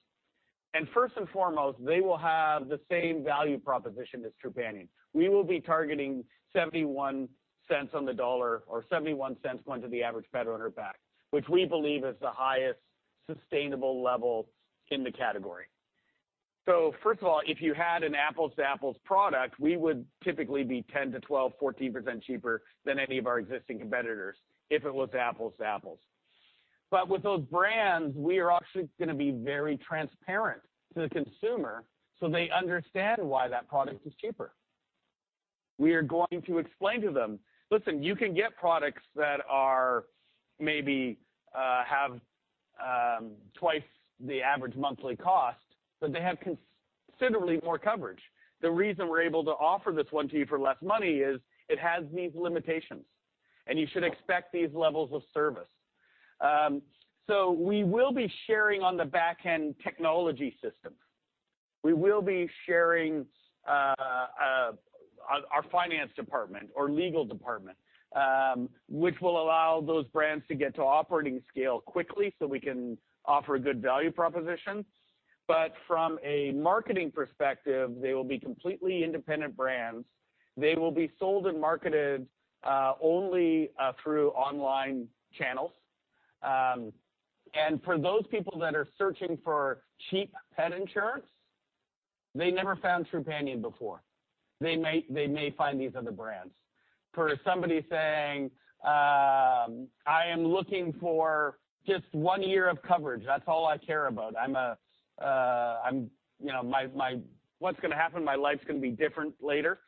B: First and foremost, they will have the same value proposition as Trupanion. We will be targeting $0.71 on the dollar or $0.71 going to the average pet owner back, which we believe is the highest sustainable level in the category. First of all, if you had an apples-to-apples product, we would typically be 10-12, 14% cheaper than any of our existing competitors if it was apples to apples. With those brands, we are actually going to be very transparent to the consumer so they understand why that product is cheaper. We are going to explain to them, "Listen, you can get products that maybe have twice the average monthly cost, but they have considerably more coverage. The reason we're able to offer this one to you for less money is it has these limitations, and you should expect these levels of service." We will be sharing on the backend technology systems. We will be sharing our finance department, our legal department, which will allow those brands to get to operating scale quickly so we can offer a good value proposition. From a marketing perspective, they will be completely independent brands. They will be sold and marketed only through online channels. For those people that are searching for cheap pet insurance, they never found Trupanion before. They may find these other brands. For somebody saying, "I am looking for just one year of coverage. That's all I care about. What's going to happen? My life's going to be different later,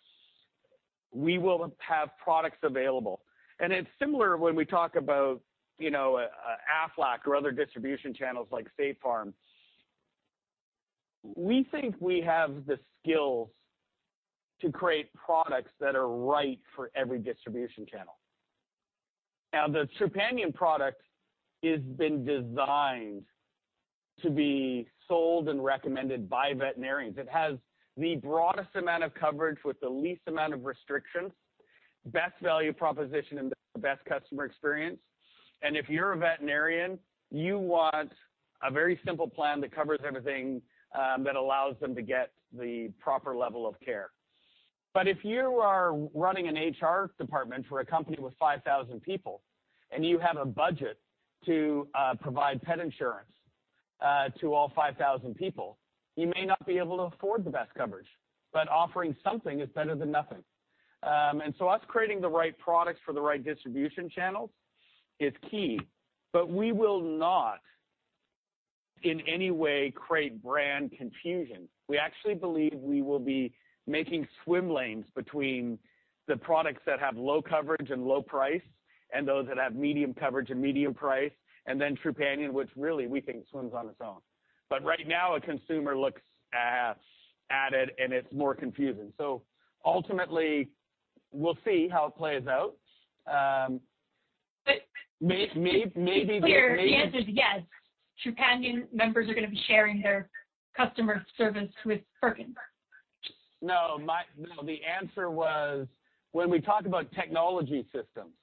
B: we will have products available. It's similar when we talk about Aflac or other distribution channels like State Farm. We think we have the skills to create products that are right for every distribution channel. The Trupanion product has been designed to be sold and recommended by veterinarians. It has the broadest amount of coverage with the least amount of restrictions, best value proposition, and the best customer experience. If you're a veterinarian, you want a very simple plan that covers everything that allows them to get the proper level of care. If you are running an HR department for a company with 5,000 people and you have a budget to provide pet insurance to all 5,000 people, you may not be able to afford the best coverage, but offering something is better than nothing. Us creating the right products for the right distribution channels is key. We will not in any way create brand confusion. We actually believe we will be making swim lanes between the products that have low coverage and low price and those that have medium coverage and medium price, and then Trupanion, which really we think swims on its own. Right now, a consumer looks at it and it's more confusing. Ultimately, we'll see how it plays out.
K: Your answer is yes. Trupanion members are going to be sharing their customer service with Furkin?
B: No. The answer was when we talk about technology systems.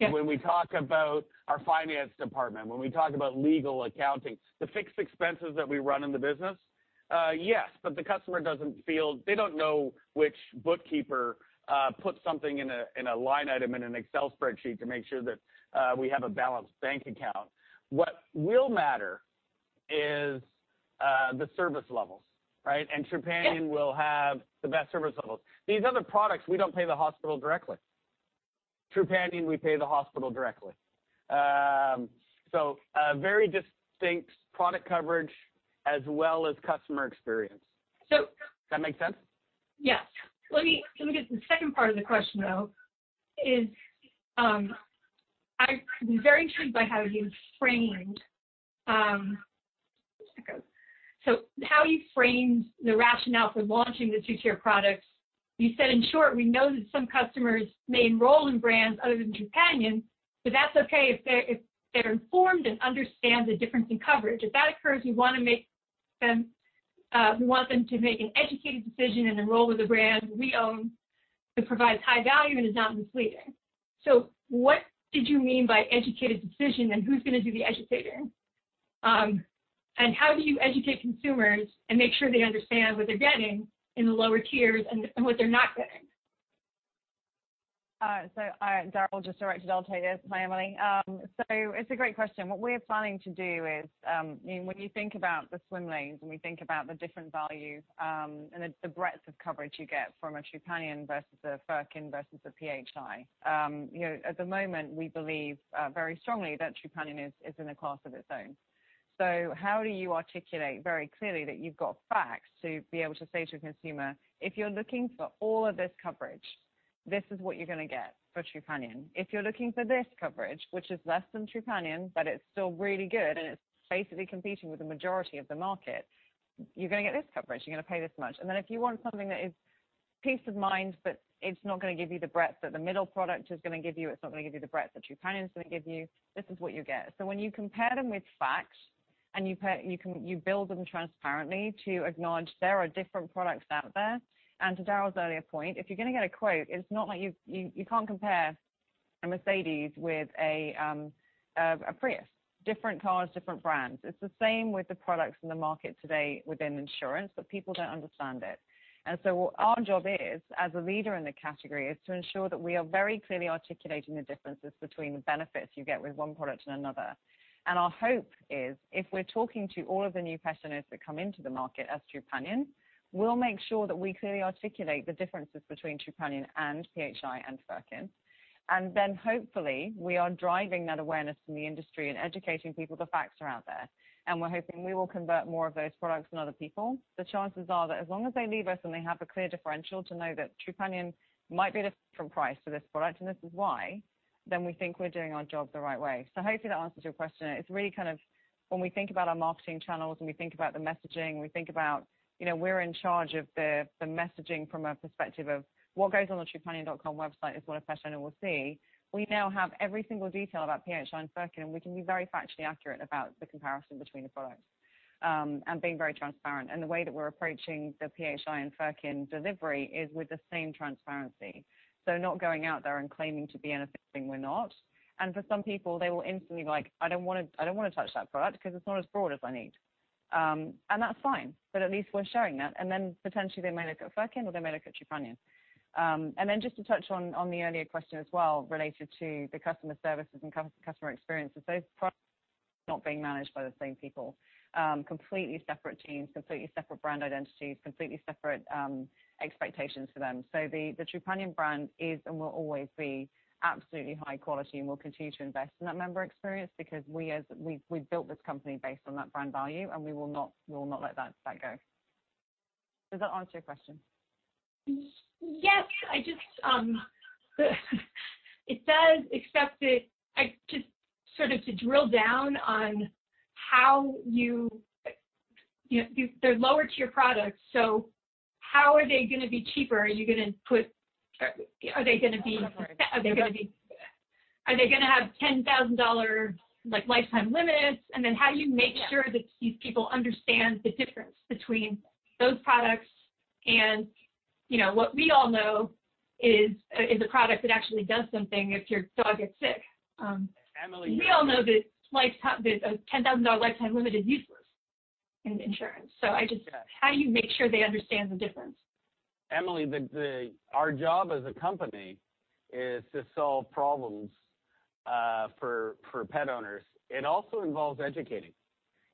K: Yes.
B: When we talk about our finance department, when we talk about legal, accounting, the fixed expenses that we run in the business, yes. They don't know which bookkeeper puts something in a line item in an Excel spreadsheet to make sure that we have a balanced bank account. What will matter is the service levels, right? Trupanion will have the best service levels. These other products, we don't pay the hospital directly. Trupanion, we pay the hospital directly.
K: Okay.
B: Very distinct product coverage as well as customer experience.
K: So-
B: Does that make sense?
K: Yes. Let me get to the second part of the question, though, is I'm very intrigued by how you framed the rationale for launching the 2-tier products. You said, in short, we know that some customers may enroll in brands other than Trupanion, that's okay if they're informed and understand the difference in coverage. If that occurs, we want them to make an educated decision and enroll with a brand we own, that provides high value and is not misleading. What did you mean by educated decision, and who's going to do the educating? How do you educate consumers and make sure they understand what they're getting in the lower tiers and what they're not getting?
C: Darryl just directed I'll tell you this, Emily. It's a great question. What we're planning to do is, when you think about the swim lanes and we think about the different value, and the breadth of coverage you get from a Trupanion versus a Furkin versus a PHI Direct. At the moment, we believe very strongly that Trupanion is in a class of its own. How do you articulate very clearly that you've got facts to be able to say to a consumer, "If you're looking for all of this coverage, this is what you're going to get for Trupanion. If you're looking for this coverage, which is less than Trupanion, but it's still really good, and it's basically competing with the majority of the market, you're going to get this coverage. You're going to pay this much. If you want something that is peace of mind, but it's not going to give you the breadth that the middle product is going to give you, it's not going to give you the breadth that Trupanion is going to give you, this is what you get. When you compare them with facts, and you build them transparently to acknowledge there are different products out there. To Darryl's earlier point, if you're going to get a quote, you can't compare a Mercedes with a Prius. Different cars, different brands. It's the same with the products in the market today within insurance, but people don't understand it. What our job is, as a leader in the category, is to ensure that we are very clearly articulating the differences between the benefits you get with one product and another. Our hope is, if we're talking to all of the new pet owners that come into the market as Trupanion, we'll make sure that we clearly articulate the differences between Trupanion and PHI and Furkin. Hopefully, we are driving that awareness in the industry and educating people the facts are out there. We're hoping we will convert more of those products than other people. The chances are that as long as they leave us and they have a clear differential to know that Trupanion might be a different price for this product, and this is why, then we think we're doing our job the right way. Hopefully that answers your question. It's really when we think about our marketing channels and we think about the messaging, we think about we're in charge of the messaging from a perspective of what goes on the trupanion.com website is what a pet owner will see. We now have every single detail about PHI and Furkin, and we can be very factually accurate about the comparison between the products, and being very transparent. The way that we're approaching the PHI and Furkin delivery is with the same transparency. Not going out there and claiming to be anything we're not. For some people, they will instantly be like, "I don't want to touch that product because it's not as broad as I need." That's fine, but at least we're showing that. Potentially they may look at Furkin or they may look at Trupanion. Then just to touch on the earlier question as well, related to the customer services and customer experience. Those products are not being managed by the same people. Completely separate teams, completely separate brand identities, completely separate expectations for them. The Trupanion brand is and will always be absolutely high quality, and we'll continue to invest in that member experience because we've built this company based on that brand value, and we will not let that go. Does that answer your question?
K: Yes. It does, except just sort of to drill down on how. They're lower tier products, how are they going to be cheaper? Are they going to have $10,000 lifetime limits? How do you make sure that these people understand the difference between those products and what we all know is a product that actually does something if your dog gets sick.
B: Emily-
K: We all know that a $10,000 lifetime limit is useless in insurance.
B: Yeah.
K: How do you make sure they understand the difference?
B: Emily, our job as a company is to solve problems for pet owners. It also involves educating.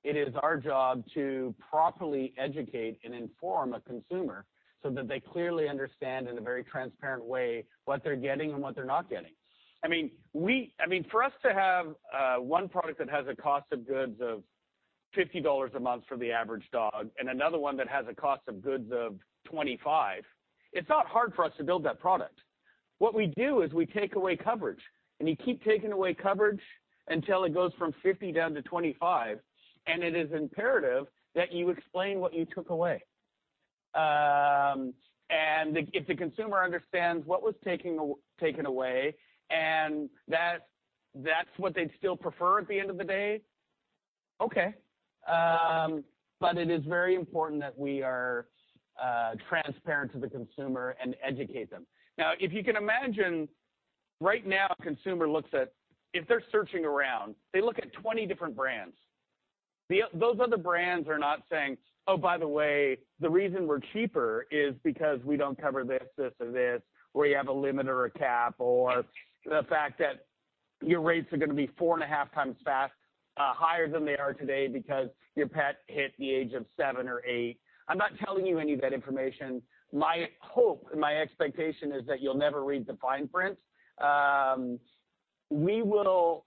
B: It is our job to properly educate and inform a consumer so that they clearly understand in a very transparent way what they're getting and what they're not getting. For us to have one product that has a cost of goods of $50 a month for the average dog, and another one that has a cost of goods of $25, it's not hard for us to build that product. What we do is we take away coverage. You keep taking away coverage until it goes from $50 down to $25. It is imperative that you explain what you took away. If the consumer understands what was taken away and that's what they'd still prefer at the end of the day, okay. It is very important that we are transparent to the consumer and educate them. If you can imagine, right now, a consumer, if they're searching around, they look at 20 different brands. Those other brands are not saying, "Oh, by the way, the reason we're cheaper is because we don't cover this, or this, or you have a limit or a cap, or the fact that your rates are going to be four and a half times higher than they are today because your pet hit the age of seven or eight." I'm not telling you any of that information. My hope and my expectation is that you'll never read the fine print.
K: Yeah.
B: We will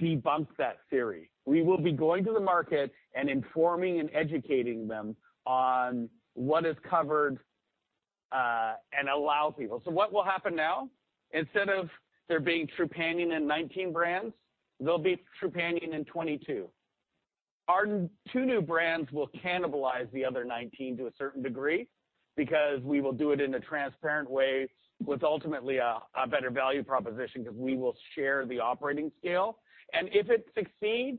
B: debunk that theory. We will be going to the market and informing and educating them on what is covered and allow people. What will happen now, instead of there being Trupanion and 19 brands, there will be Trupanion and 22. Our two new brands will cannibalize the other 19 to a certain degree, because we will do it in a transparent way with ultimately a better value proposition because we will share the operating scale. If it succeeds,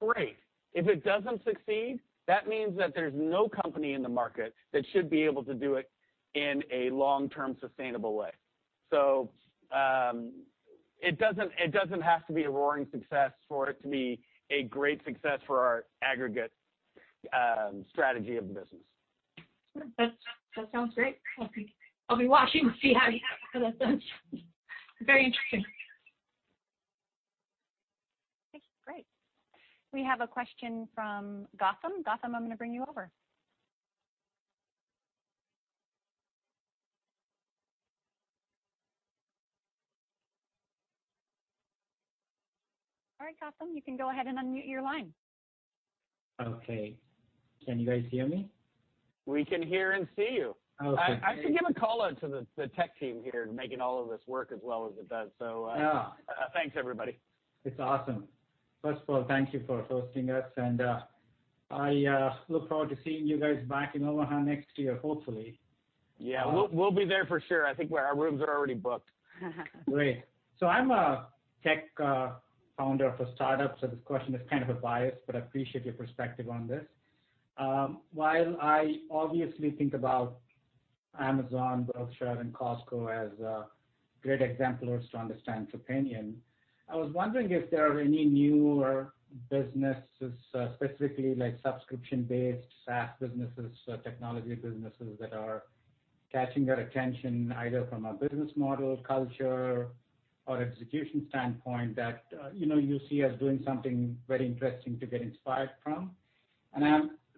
B: great. If it doesn't succeed, that means that there is no company in the market that should be able to do it in a long-term sustainable way. It doesn't have to be a roaring success for it to be a great success for our aggregate strategy of the business.
K: That sounds great. I'll be watching to see how that goes. Very interesting.
A: Okay, great. We have a question from Gotham. Gotham, I'm going to bring you over. All right, Gotham, you can go ahead and unmute your line.
L: Okay. Can you guys hear me?
B: We can hear and see you.
L: Okay.
B: I should give a call-out to the tech team here, making all of this work as well as it does.
L: Yeah.
B: Thanks, everybody.
L: It's awesome. First of all, thank you for hosting us, and I look forward to seeing you guys back in Omaha next year, hopefully.
B: Yeah. We'll be there for sure. I think our rooms are already booked.
L: Great. I'm a tech founder of a startup, this question is kind of biased, but I appreciate your perspective on this. While I obviously think about Amazon, Berkshire, and Costco as great exemplars to understand Trupanion, I was wondering if there are any newer businesses, specifically subscription-based, SaaS businesses, technology businesses that are catching your attention, either from a business model culture or execution standpoint that you see as doing something very interesting to get inspired from?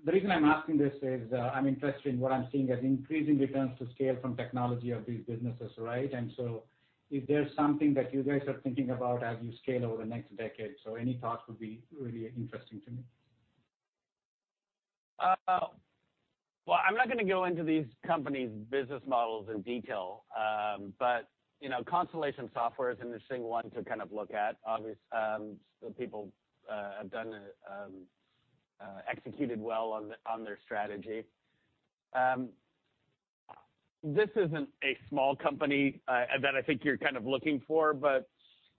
L: The reason I'm asking this is, I'm interested in what I'm seeing as increasing returns to scale from technology of these businesses, right? If there's something that you guys are thinking about as you scale over the next decade. Any thoughts would be really interesting to me.
B: Well, I'm not going to go into these companies' business models in detail. Constellation Software is an interesting one to look at. Obviously, the people have executed well on their strategy. This isn't a small company that I think you're looking for, but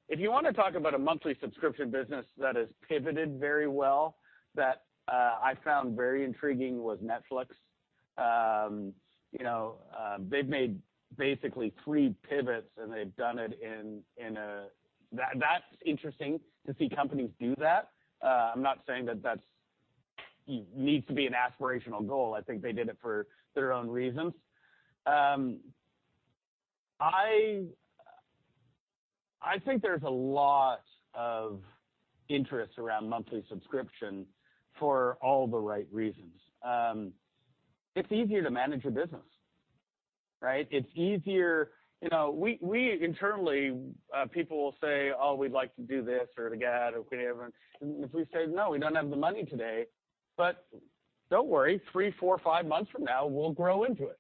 B: if you want to talk about a monthly subscription business that has pivoted very well, that I found very intriguing, was Netflix. They've made basically three pivots. That's interesting to see companies do that. I'm not saying that needs to be an aspirational goal. I think they did it for their own reasons. I think there's a lot of interest around monthly subscription for all the right reasons. It's easier to manage a business, right? It's easier. We internally, people will say, "Oh, we'd like to do this or to get or whatever." If we say, "No, we don't have the money today," but don't worry, three, four, five months from now, we'll grow into it.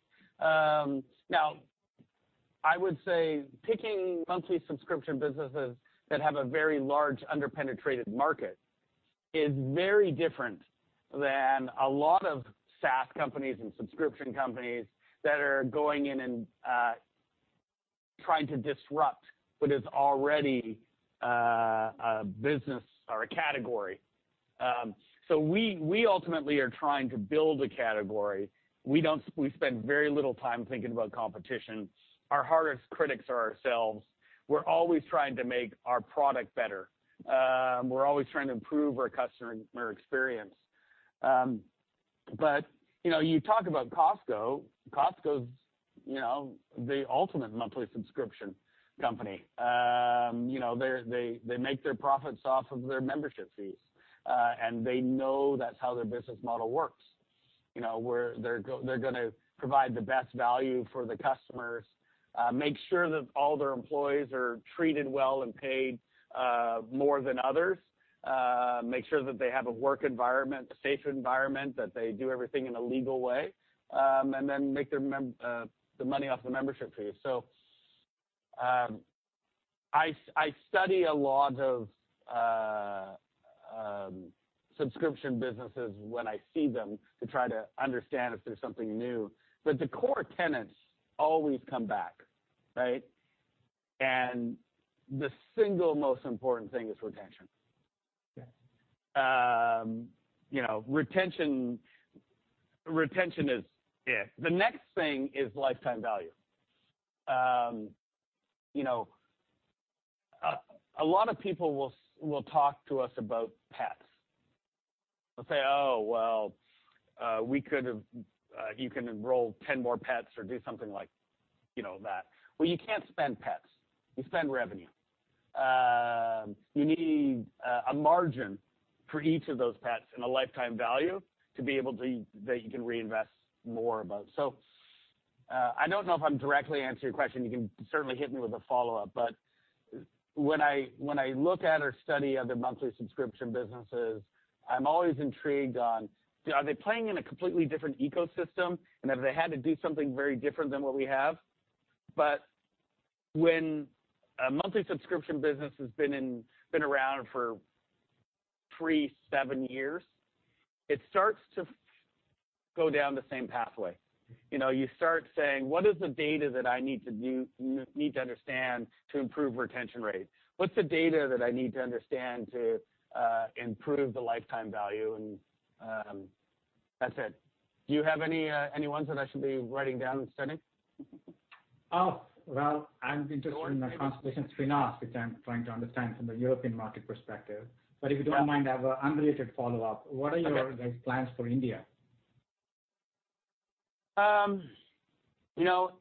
B: I would say picking monthly subscription businesses that have a very large under-penetrated market is very different than a lot of SaaS companies and subscription companies that are going in and trying to disrupt what is already a business or a category. We ultimately are trying to build a category. We spend very little time thinking about competition. Our hardest critics are ourselves. We're always trying to make our product better. We're always trying to improve our customer experience. You talk about Costco. Costco's the ultimate monthly subscription company. They make their profits off of their membership fees. They know that's how their business model works. Where they're going to provide the best value for the customers, make sure that all their employees are treated well and paid more than others, make sure that they have a work environment, a safe environment, that they do everything in a legal way, and then make the money off the membership fees. I study a lot of subscription businesses when I see them to try to understand if there's something new. The core tenets always come back, right? The single most important thing is retention.
L: Okay.
B: Retention is it. The next thing is lifetime value. A lot of people will talk to us about pets. They'll say, "Well, you can enroll 10 more pets or do something like that." Well, you can't spend pets. You spend revenue. You need a margin for each of those pets and a lifetime value to be able that you can reinvest more of those. I don't know if I'm directly answering your question. You can certainly hit me with a follow-up. When I look at or study other monthly subscription businesses, I'm always intrigued on, are they playing in a completely different ecosystem, and have they had to do something very different than what we have? When a monthly subscription business has been around for three, seven years, it starts to go down the same pathway. You start saying, "What is the data that I need to understand to improve retention rate? What's the data that I need to understand to improve the lifetime value?" That's it. Do you have any ones that I should be writing down and studying?
L: Well, I'm interested in the consolidation between us, which I'm trying to understand from the European market perspective. If you don't mind, I have an unrelated follow-up.
B: Okay.
L: What are your guys' plans for India?
B: You know.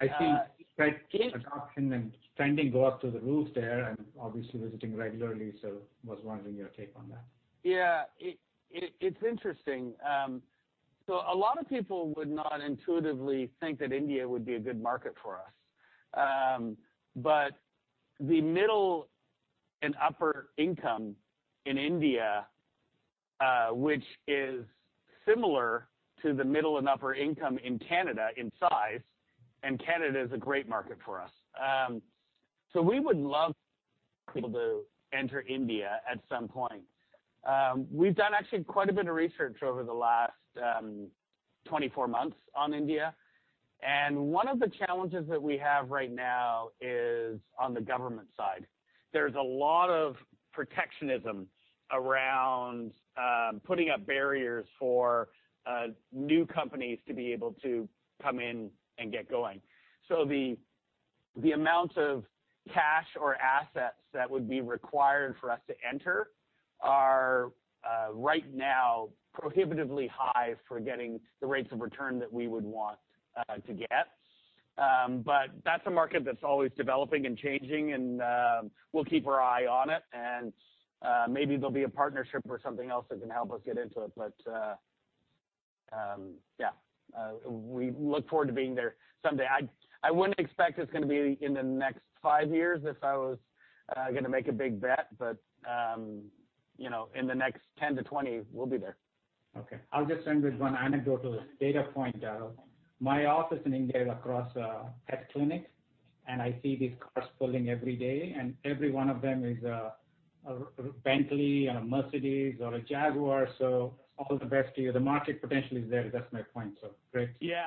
L: I think pet adoption and trending go up through the roof there, and obviously visiting regularly, so was wondering your take on that.
B: Yeah. It's interesting. A lot of people would not intuitively think that India would be a good market for us. The middle and upper income in India, which is similar to the middle and upper income in Canada in size, and Canada's a great market for us. We would love to be able to enter India at some point. We've done actually quite a bit of research over the last 24 months on India, and one of the challenges that we have right now is on the government side. There's a lot of protectionism around putting up barriers for new companies to be able to come in and get going. The amount of cash or assets that would be required for us to enter are, right now, prohibitively high for getting the rates of return that we would want to get. That's a market that's always developing and changing, and we'll keep our eye on it, and maybe there'll be a partnership or something else that can help us get into it. Yeah. We look forward to being there someday. I wouldn't expect it's going to be in the next five years, if I was going to make a big bet, but in the next 10-20, we'll be there.
L: Okay. I'll just end with one anecdotal data point. My office in India is across a pet clinic, and I see these cars pulling every day, and every one of them is a Bentley or a Mercedes or a Jaguar, so all the best to you. The market potential is there. That's my point. Great.
B: Yeah.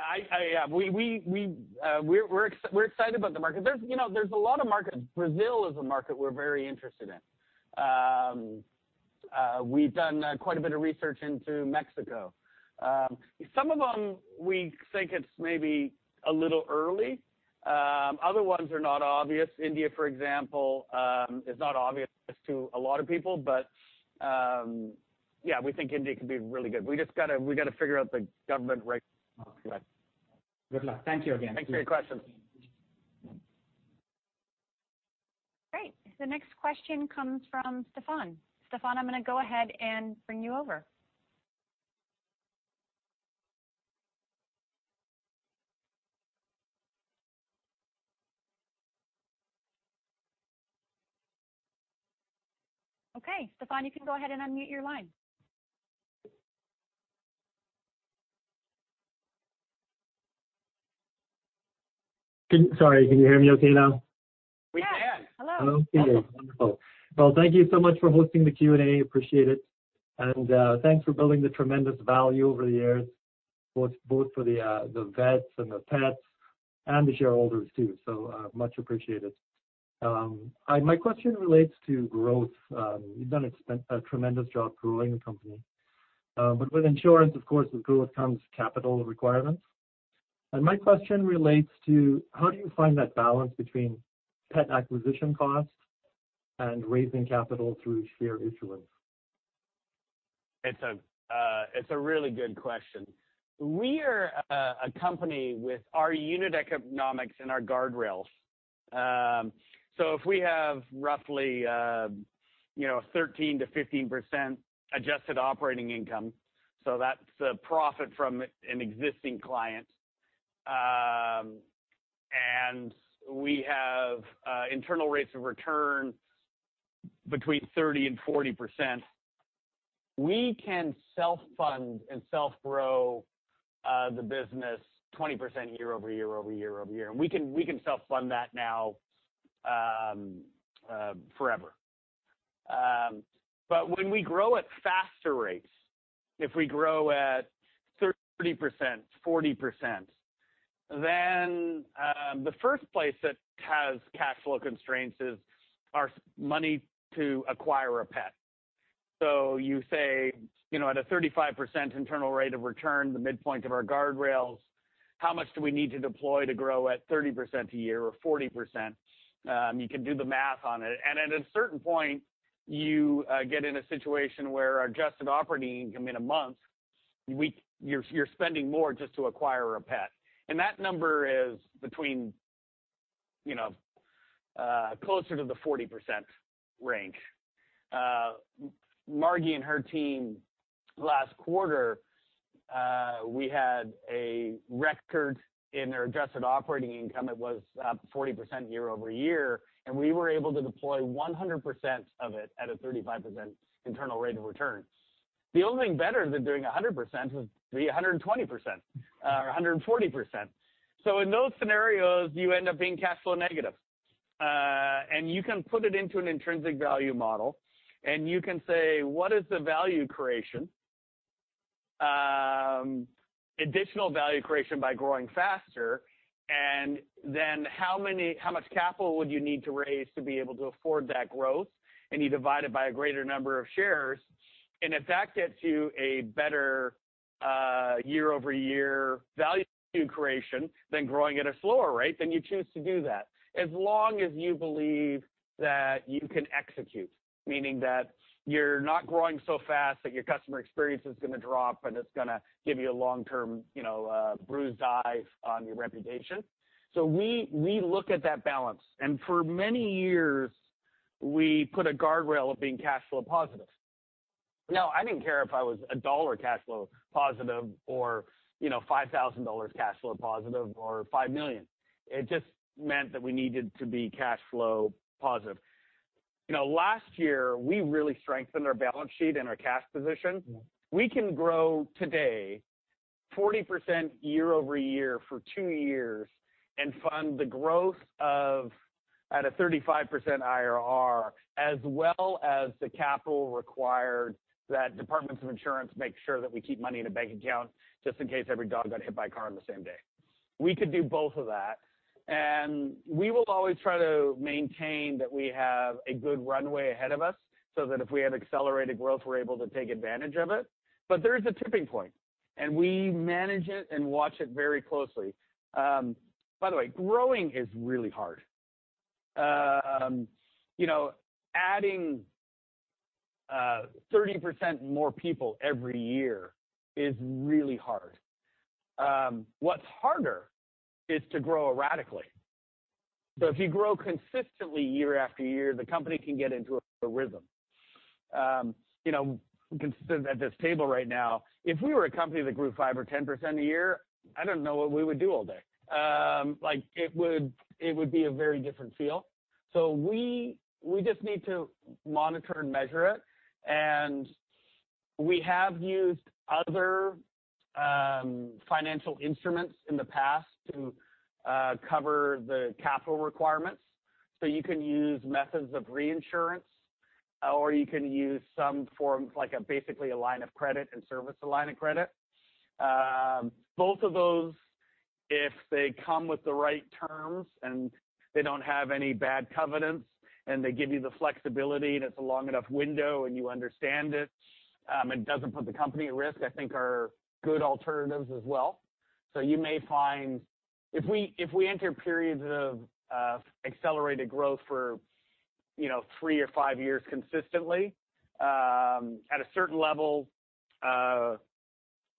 B: We're excited about the market. There's a lot of markets. Brazil is a market we're very interested in. We've done quite a bit of research into Mexico. Some of them, we think it's maybe a little early. Other ones are not obvious. India, for example, is not obvious to a lot of people, but yeah, we think India could be really good. We just got to figure out the government regulations.
L: Okay. Good luck. Thank you again.
B: Thanks for your question.
A: Great. The next question comes from Stefan. Stefan, I'm going to go ahead and bring you over. Okay. Stefan, you can go ahead and unmute your line.
M: Sorry, can you hear me okay now?
B: We can.
A: Yes. Hello.
M: Okay, wonderful. Well, thank you so much for hosting the Q&A. Appreciate it. Thanks for building the tremendous value over the years, both for the vets and the pets, and the shareholders, too. So much appreciated. My question relates to growth. You've done a tremendous job growing the company. With insurance, of course, with growth comes capital requirements. My question relates to how do you find that balance between pet acquisition costs and raising capital through share issuance?
B: It's a really good question. We are a company with our unit economics and our guardrails. If we have roughly 13%-15% adjusted operating income, so that's a profit from an existing client, and we have internal rates of return between 30% and 40%, we can self-fund and self-grow the business 20% year-over-year, over-year-over-year. We can self-fund that now forever. When we grow at faster rates, if we grow at 30%-40%, then the first place that has cash flow constraints is our money to acquire a pet. You say, at a 35% internal rate of return, the midpoint of our guardrails, how much do we need to deploy to grow at 30% a year or 40%? You can do the math on it. At a certain point, you get in a situation where our adjusted operating income in a month, you're spending more just to acquire a pet. That number is closer to the 40% range. Margie and her team, last quarter, we had a record in our adjusted operating income. It was up 40% year-over-year, and we were able to deploy 100% of it at a 35% internal rate of return. The only thing better than doing 100% would be 120% or 140%. In those scenarios, you end up being cash flow negative. You can put it into an intrinsic value model, and you can say, what is the additional value creation by growing faster? Then how much capital would you need to raise to be able to afford that growth? You divide it by a greater number of shares, and if that gets you a better year-over-year value creation than growing at a slower rate, then you choose to do that, as long as you believe that you can execute, meaning that you're not growing so fast that your customer experience is going to drop, and it's going to give you a long-term bruised eye on your reputation. We look at that balance, and for many years, we put a guardrail of being cash flow positive. Now, I didn't care if I was $1 cash flow positive or $5,000 cash flow positive or $5 million. It just meant that we needed to be cash flow positive. Last year, we really strengthened our balance sheet and our cash position. We can grow today 40% year-over-year for two years and fund the growth at a 35% IRR, as well as the capital required that departments of insurance make sure that we keep money in a bank account just in case every dog got hit by a car on the same day. We could do both of that, and we will always try to maintain that we have a good runway ahead of us so that if we have accelerated growth, we're able to take advantage of it. There is a tipping point, and we manage it and watch it very closely. By the way, growing is really hard. Adding 30% more people every year is really hard. What's harder is to grow erratically. If you grow consistently year after year, the company can get into a rhythm. Considering at this table right now, if we were a company that grew 5% or 10% a year, I don't know what we would do all day. It would be a very different feel. We just need to monitor and measure it. We have used other financial instruments in the past to cover the capital requirements. You can use methods of reinsurance, or you can use some form, like basically a line of credit and service a line of credit. Both of those, if they come with the right terms, and they don't have any bad covenants, and they give you the flexibility, and it's a long enough window, and you understand it doesn't put the company at risk, I think are good alternatives as well. If we enter periods of accelerated growth for three or five years consistently, at a certain level,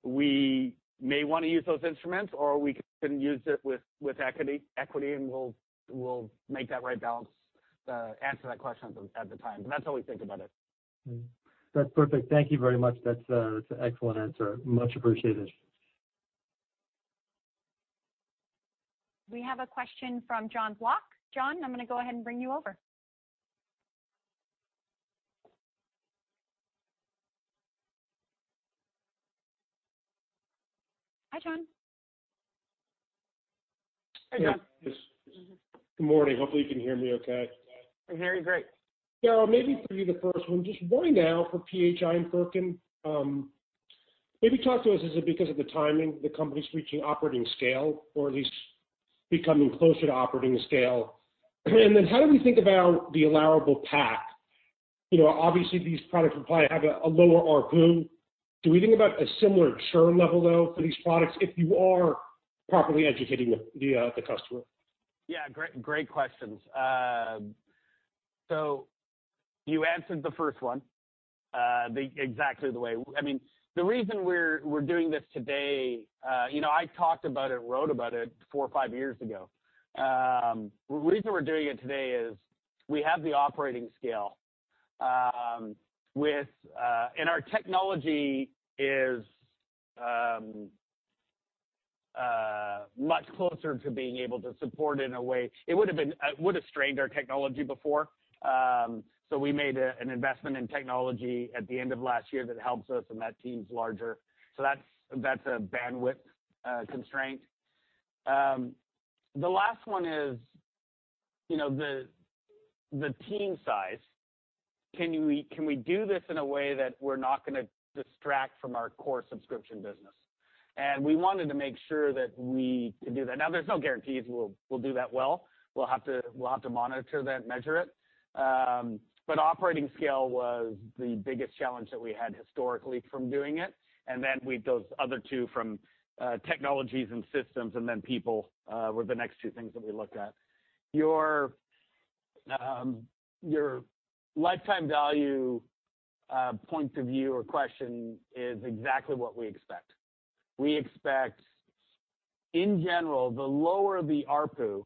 B: we may want to use those instruments, or we can use it with equity, and we'll make that right balance to answer that question at the time. That's how we think about it.
M: That's perfect. Thank you very much. That's an excellent answer. Much appreciated.
A: We have a question from Jonathan Block. John, I'm going to go ahead and bring you over. Hi, John.
B: Hi, John.
N: Good morning. Hopefully, you can hear me okay.
B: I can hear you great.
N: Darryl, for you, the first one, just why now for PHI and Furkin? Talk to us, is it because of the timing, the company's reaching operating scale, or at least becoming closer to operating scale? How do we think about the allowable PAC? Obviously, these products will probably have a lower ARPU. Do we think about a similar churn level, though, for these products if you are properly educating the customer?
B: Yeah, great questions. You answered the first one exactly. The reason we're doing this today, I talked about it, wrote about it four or five years ago. The reason we're doing it today is we have the operating scale. Our technology is much closer to being able to support. It would have strained our technology before. We made an investment in technology at the end of last year that helps us, and that team's larger. That's a bandwidth constraint. The last one is the team size. Can we do this in a way that we're not going to distract from our core subscription business? We wanted to make sure that we could do that. Now, there's no guarantees we'll do that well. We'll have to monitor that and measure it. Operating scale was the biggest challenge that we had historically from doing it. Those other two from technologies and systems, and then people were the next two things that we looked at. Your lifetime value point of view or question is exactly what we expect. We expect, in general, the lower the ARPU,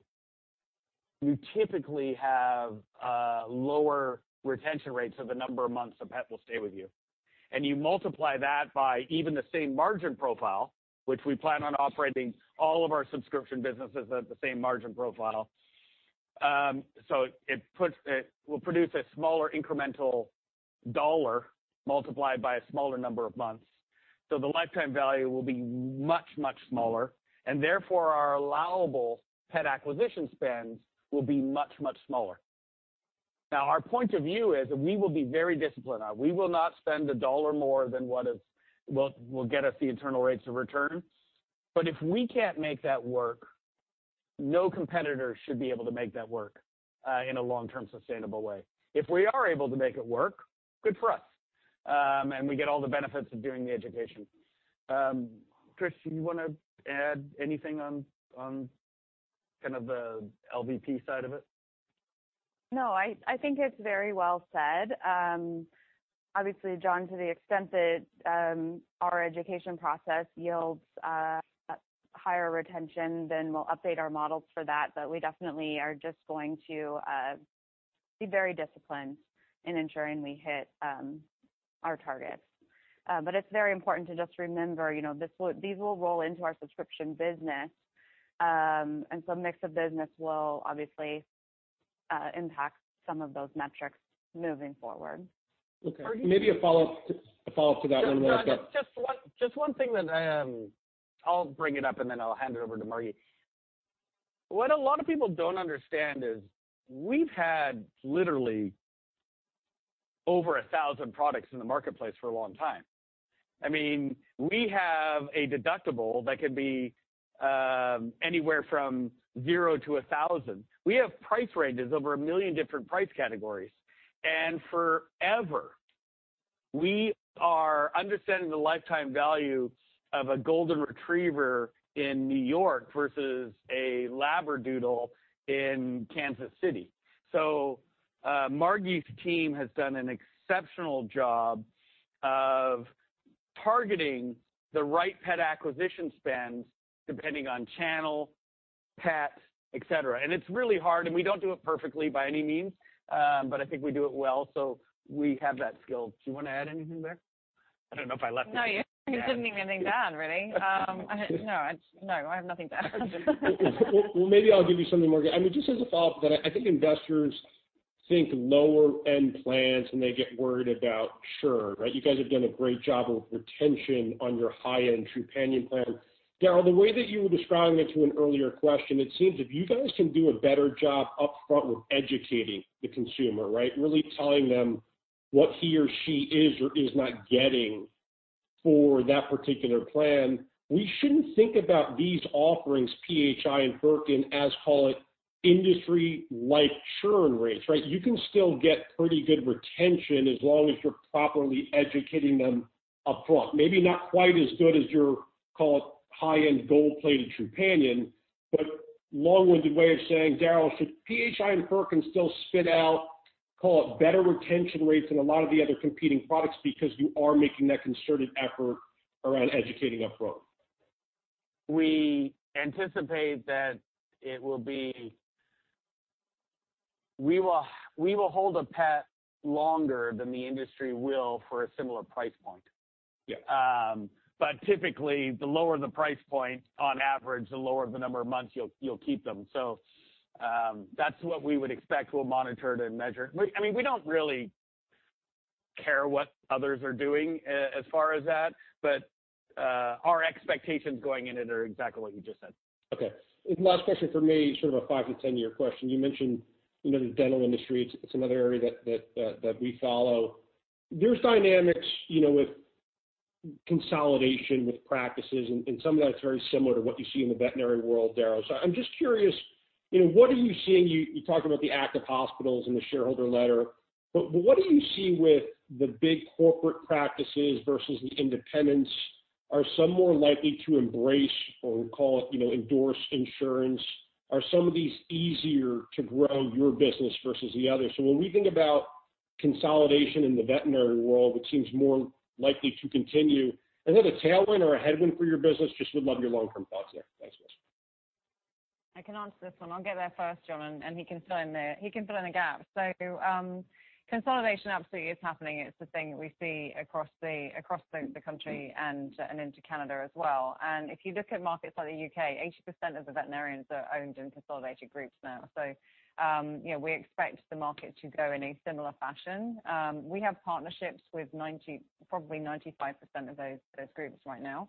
B: you typically have lower retention rates of the number of months a pet will stay with you. You multiply that by even the same margin profile, which we plan on operating all of our subscription businesses at the same margin profile. It will produce a smaller incremental dollar multiplied by a smaller number of months. The lifetime value will be much, much smaller, and therefore our allowable pet acquisition spend will be much, much smaller. Our point of view is that we will be very disciplined. We will not spend $1 more than what will get us the internal rates of return. If we can't make that work, no competitor should be able to make that work in a long-term, sustainable way. If we are able to make it work, good for us, and we get all the benefits of doing the education. Trish, do you want to add anything on kind of the LVP side of it?
E: No. I think it's very well said. Obviously, John, to the extent that our education process yields higher retention, we'll update our models for that. We definitely are just going to be very disciplined in ensuring we hit our targets. It's very important to just remember, these will roll into our subscription business. Mix of business will obviously impact some of those metrics moving forward.
N: Okay. Maybe a follow-up to that one real quick.
B: Just one thing that I'll bring it up, and then I'll hand it over to Margi. What a lot of people don't understand is we've had literally over 1,000 products in the marketplace for a long time. We have a deductible that could be anywhere from zero to 1,000. We have price ranges over a million different price categories. Forever, we are understanding the lifetime value of a golden retriever in N.Y. versus a labradoodle in Kansas City. Margi's team has done an exceptional job of targeting the right pet acquisition spend depending on channel, pet, et cetera. It's really hard, and we don't do it perfectly by any means. I think we do it well, so we have that skill. Do you want to add anything there? I don't know if I left anything out.
C: No, you didn't leave anything out, really. No, I have nothing to add.
N: Well, maybe I'll give you something, Margi. Just as a follow-up that I think investors think lower-end plans, and they get worried about churn, right? You guys have done a great job of retention on your high-end Trupanion plan. Darryl, the way that you were describing it to an earlier question, it seems if you guys can do a better job upfront with educating the consumer, right? Really telling them what he or she is or is not getting for that particular plan. We shouldn't think about these offerings, PHI and Furkin as, call it, industry-like churn rates, right? You can still get pretty good retention as long as you're properly educating them upfront. Maybe not quite as good as your, call it, high-end gold-plated Trupanion. Long-winded way of saying, Darryl, should PHI and Furkin still spit out, call it, better retention rates than a lot of the other competing products because you are making that concerted effort around educating upfront?
B: We anticipate that we will hold a pet longer than the industry will for a similar price point.
N: Yeah.
B: Typically, the lower the price point, on average, the lower the number of months you'll keep them. That's what we would expect. We'll monitor it and measure. We don't really care what others are doing as far as that, our expectations going into it are exactly what you just said.
N: Okay. Last question from me, sort of a 5-to-10-year question. You mentioned the dental industry. It's another area that we follow. There's dynamics with consolidation with practices, and some of that is very similar to what you see in the veterinary world, Darryl. I'm just curious, what are you seeing, you talk about the active hospitals in the shareholder letter. What do you see with the big corporate practices versus the independents? Are some more likely to embrace or, call it, endorse insurance? Are some of these easier to grow your business versus the others? When we think about consolidation in the veterinary world, which seems more likely to continue, is it a tailwind or a headwind for your business? Just would love your long-term thoughts there. Thanks guys.
C: I can answer this one. I'll get there first, John, and he can fill in the gap. Consolidation absolutely is happening. It's the thing that we see across the country and into Canada as well. If you look at markets like the U.K., 80% of the veterinarians are owned in consolidated groups now. We expect the market to go in a similar fashion. We have partnerships with probably 95% of those groups right now.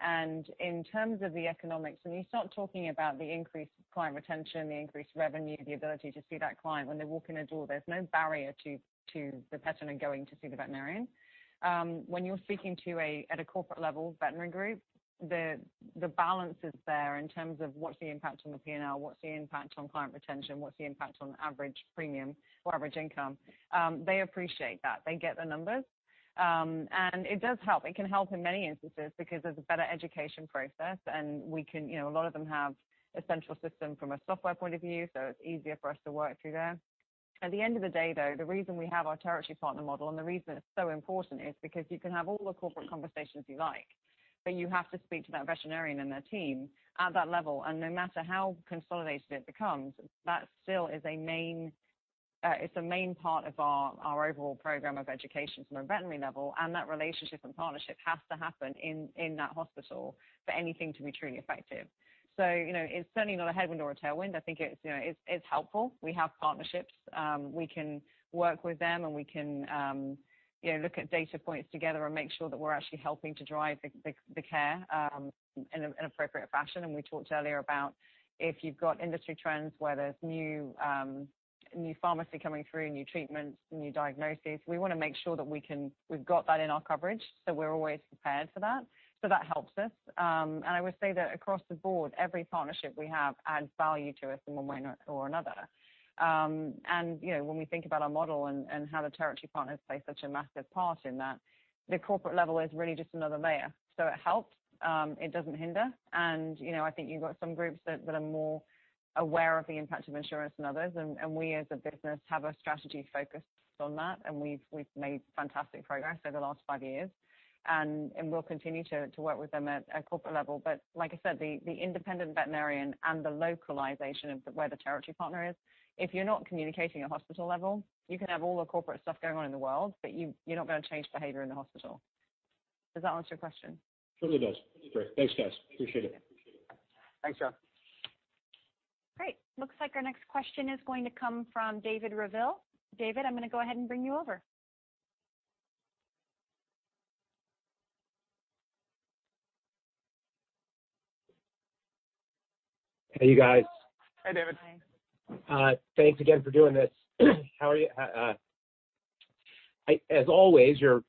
C: In terms of the economics, when you start talking about the increased client retention, the increased revenue, the ability to see that client when they walk in the door, there's no barrier to the pet owner going to see the veterinarian. When you're speaking at a corporate level veterinary group, the balance is there in terms of what's the impact on the P&L, what's the impact on client retention, what's the impact on average premium or average income. They appreciate that. They get the numbers. It does help. It can help in many instances because there's a better education process, and a lot of them have a central system from a software point of view, so it's easier for us to work through there. At the end of the day, though, the reason we have our territory partner model and the reason it's so important is because you can have all the corporate conversations you like, but you have to speak to that veterinarian and their team at that level. No matter how consolidated it becomes, that still is a main part of our overall program of education from a veterinary level, and that relationship and partnership has to happen in that hospital for anything to be truly effective. It's certainly not a headwind or a tailwind. I think it's helpful. We have partnerships. We can work with them, and we can look at data points together and make sure that we're actually helping to drive the care in an appropriate fashion. We talked earlier about if you've got industry trends where there's new pharmacy coming through, new treatments, new diagnoses, we want to make sure that we've got that in our coverage, so we're always prepared for that. That helps us. I would say that across the board, every partnership we have adds value to us in one way or another. When we think about our model and how the territory partners play such a massive part in that, the corporate level is really just another layer. It helps, it doesn't hinder. I think you've got some groups that are more aware of the impact of insurance than others. We as a business have a strategy focused on that, and we've made fantastic progress over the last five years. We'll continue to work with them at a corporate level. Like I said, the independent veterinarian and the localization of where the territory partner is, if you're not communicating at hospital level, you can have all the corporate stuff going on in the world, but you're not going to change behavior in the hospital. Does that answer your question?
N: Totally does. Great. Thanks, Jas. Appreciate it.
B: Thanks, y'all.
A: Great. Looks like our next question is going to come from David Reville. David, I'm going to go ahead and bring you over.
O: Hey, you guys.
B: Hi, David.
C: Hi.
O: Thanks again for doing this. How are you? As always, your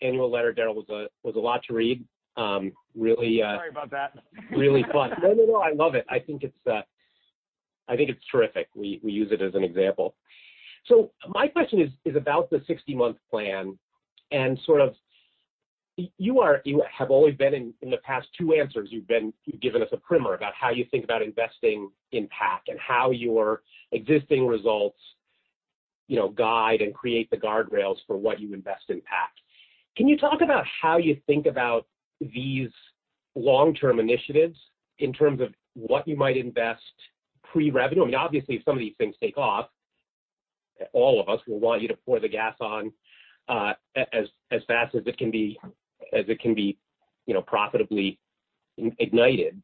O: annual letter, Darryl, was a lot to read.
B: Sorry about that.
O: Really fun. No, I love it. I think it's terrific. We use it as an example. My question is about the 60-month plan and sort of, you have always been, in the past two answers, you've given us a primer about how you think about investing in PAC and how your existing results guide and create the guardrails for what you invest in PAC. Can you talk about how you think about these long-term initiatives in terms of what you might invest pre-revenue? Obviously, if some of these things take off, all of us will want you to pour the gas on as fast as it can be profitably ignited.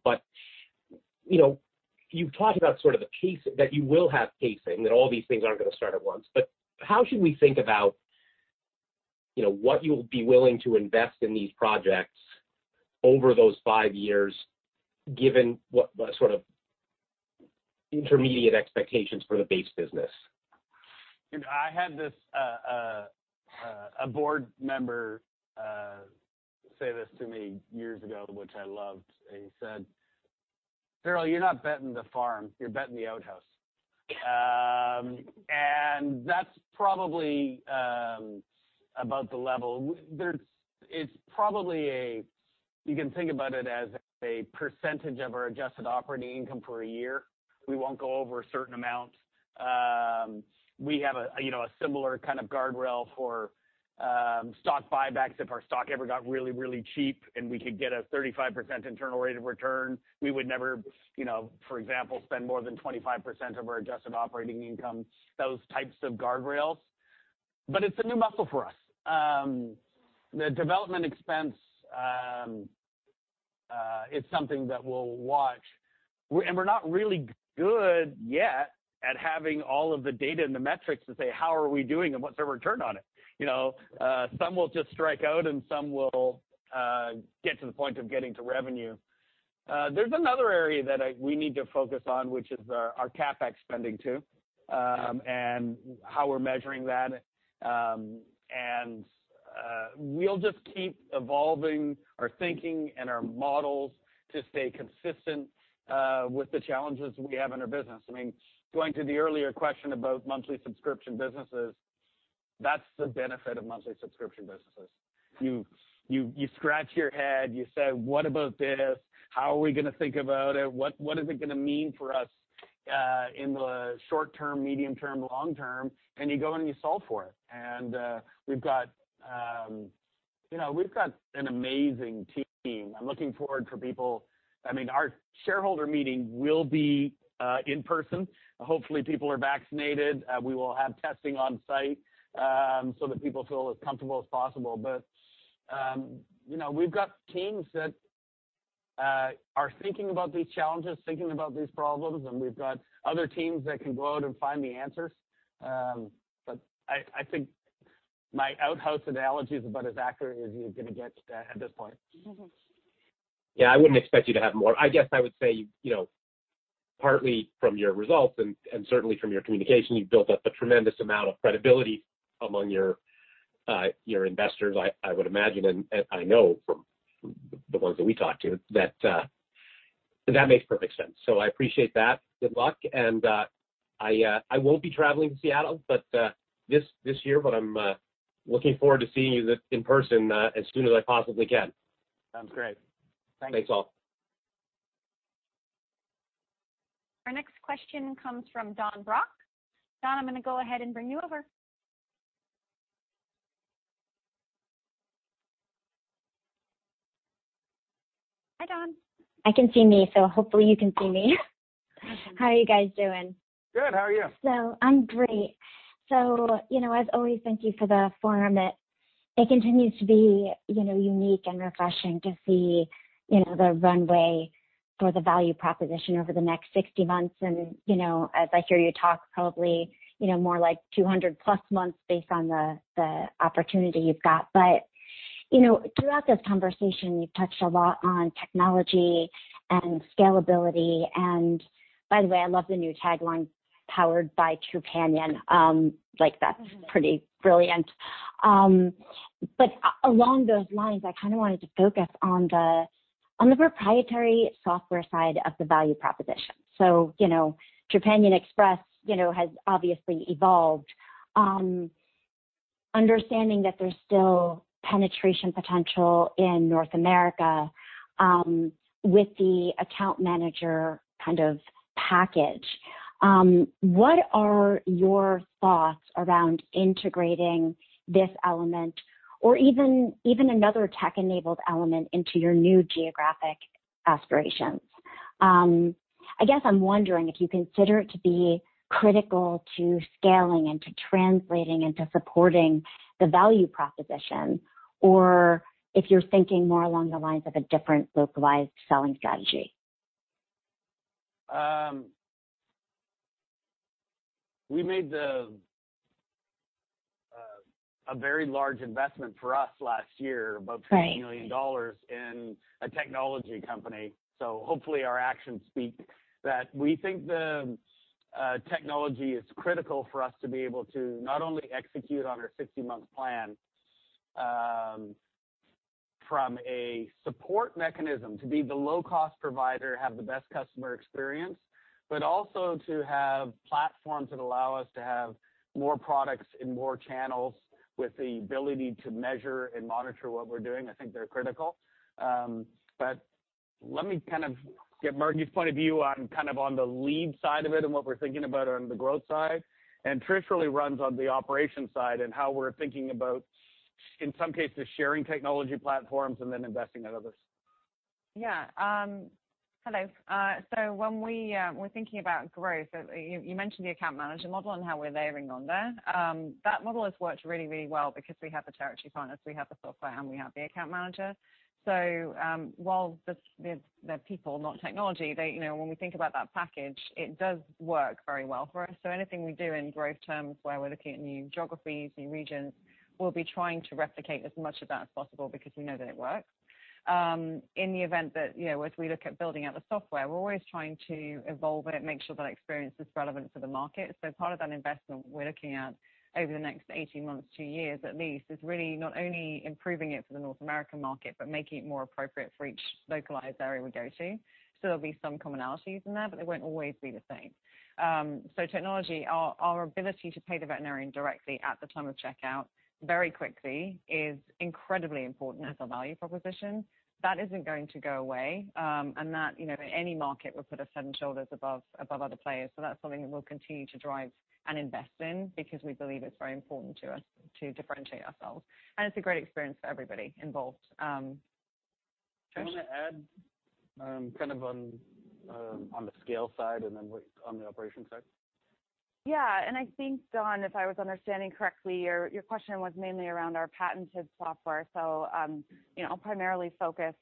O: You've talked about that you will have pacing, that all these things aren't going to start at once. How should we think about what you'll be willing to invest in these projects over those five years, given what sort of intermediate expectations for the base business?
B: I had a board member say this to me years ago, which I loved. He said, "Darryl, you're not betting the farm. You're betting the outhouse." That's probably about the level. You can think about it as a percentage of our adjusted operating income for a year. We won't go over a certain amount. We have a similar kind of guardrail for stock buybacks. If our stock ever got really cheap and we could get a 35% internal rate of return, we would never, for example, spend more than 25% of our adjusted operating income. Those types of guardrails. It's a new muscle for us. The development expense is something that we'll watch. We're not really good yet at having all of the data and the metrics to say how are we doing and what's our return on it. Some will just strike out, and some will get to the point of getting to revenue. There's another area that we need to focus on, which is our CapEx spending too, and how we're measuring that. We'll just keep evolving our thinking and our models to stay consistent with the challenges we have in our business. Going to the earlier question about monthly subscription businesses, that's the benefit of monthly subscription businesses. You scratch your head, you say, "What about this? How are we going to think about it? What is it going to mean for us in the short term, medium term, long term?" You go, and you solve for it. We've got an amazing team. I'm looking forward. Our shareholder meeting will be in person. Hopefully, people are vaccinated. We will have testing on site so that people feel as comfortable as possible. We've got teams that are thinking about these challenges, thinking about these problems, and we've got other teams that can go out and find the answers. I think my outhouse analogy is about as accurate as you're going to get at this point.
O: Yeah, I wouldn't expect you to have more. I guess I would say, partly from your results and certainly from your communication, you've built up a tremendous amount of credibility among your investors, I would imagine, and I know from the ones that we talk to. That makes perfect sense. I appreciate that. Good luck. I won't be traveling to Seattle this year, but I'm looking forward to seeing you in person as soon as I possibly can.
B: Sounds great. Thank you.
O: Thanks all.
A: Our next question comes from Dawn Brock. Dawn, I'm going to go ahead and bring you over. Hi, Dawn.
P: I can see me, so hopefully you can see me.
A: Awesome.
P: How are you guys doing?
B: Good. How are you?
P: I'm great. As always, thank you for the forum. It continues to be unique and refreshing to see the runway for the value proposition over the next 60 months and, as I hear you talk, probably more like 200 plus months based on the opportunity you've got. Throughout this conversation, you've touched a lot on technology and scalability. By the way, I love the new tagline, Powered by Trupanion. That's pretty brilliant. Along those lines, I kind of wanted to focus on the proprietary software side of the value proposition. Trupanion Express has obviously evolved. Understanding that there's still penetration potential in North America with the account manager kind of package, what are your thoughts around integrating this element or even another tech-enabled element into your new geographic aspirations? I guess I'm wondering if you consider it to be critical to scaling and to translating and to supporting the value proposition, or if you're thinking more along the lines of a different localized selling strategy.
B: We made a very large investment for us last year.
P: Right.
B: About $20 million in a technology company. Hopefully our actions speak that we think the technology is critical for us to be able to not only execute on our 60-month plan from a support mechanism to be the low-cost provider, have the best customer experience, but also to have platforms that allow us to have more products in more channels with the ability to measure and monitor what we're doing. I think they're critical. Let me kind of get Margi's point of view on the lead side of it and what we're thinking about on the growth side. Trish really runs on the operation side and how we're thinking about, in some cases, sharing technology platforms and then investing in others.
C: Yeah. Hello. When we're thinking about growth, you mentioned the account manager model and how we're layering on there. That model has worked really well because we have the territory partners, we have the software, and we have the account manager. While they're people, not technology, when we think about that package, it does work very well for us. Anything we do in growth terms where we're looking at new geographies, new regions, we'll be trying to replicate as much of that as possible because we know that it works. In the event that as we look at building out the software, we're always trying to evolve it, make sure that experience is relevant for the market. Part of that investment we're looking at over the next 18 months to two years at least, is really not only improving it for the North American market, but making it more appropriate for each localized area we go to. There'll be some commonalities in there, but they won't always be the same. Technology, our ability to pay the veterinarian directly at the time of checkout very quickly is incredibly important as a value proposition. That isn't going to go away. That, in any market, will put us head and shoulders above other players. That's something that we'll continue to drive and invest in because we believe it's very important to us to differentiate ourselves. It's a great experience for everybody involved. Trish?
B: You want to add kind of on the scale side and then on the operations side?
E: I think, Dawn, if I was understanding correctly, your question was mainly around our patented software. I'll primarily focus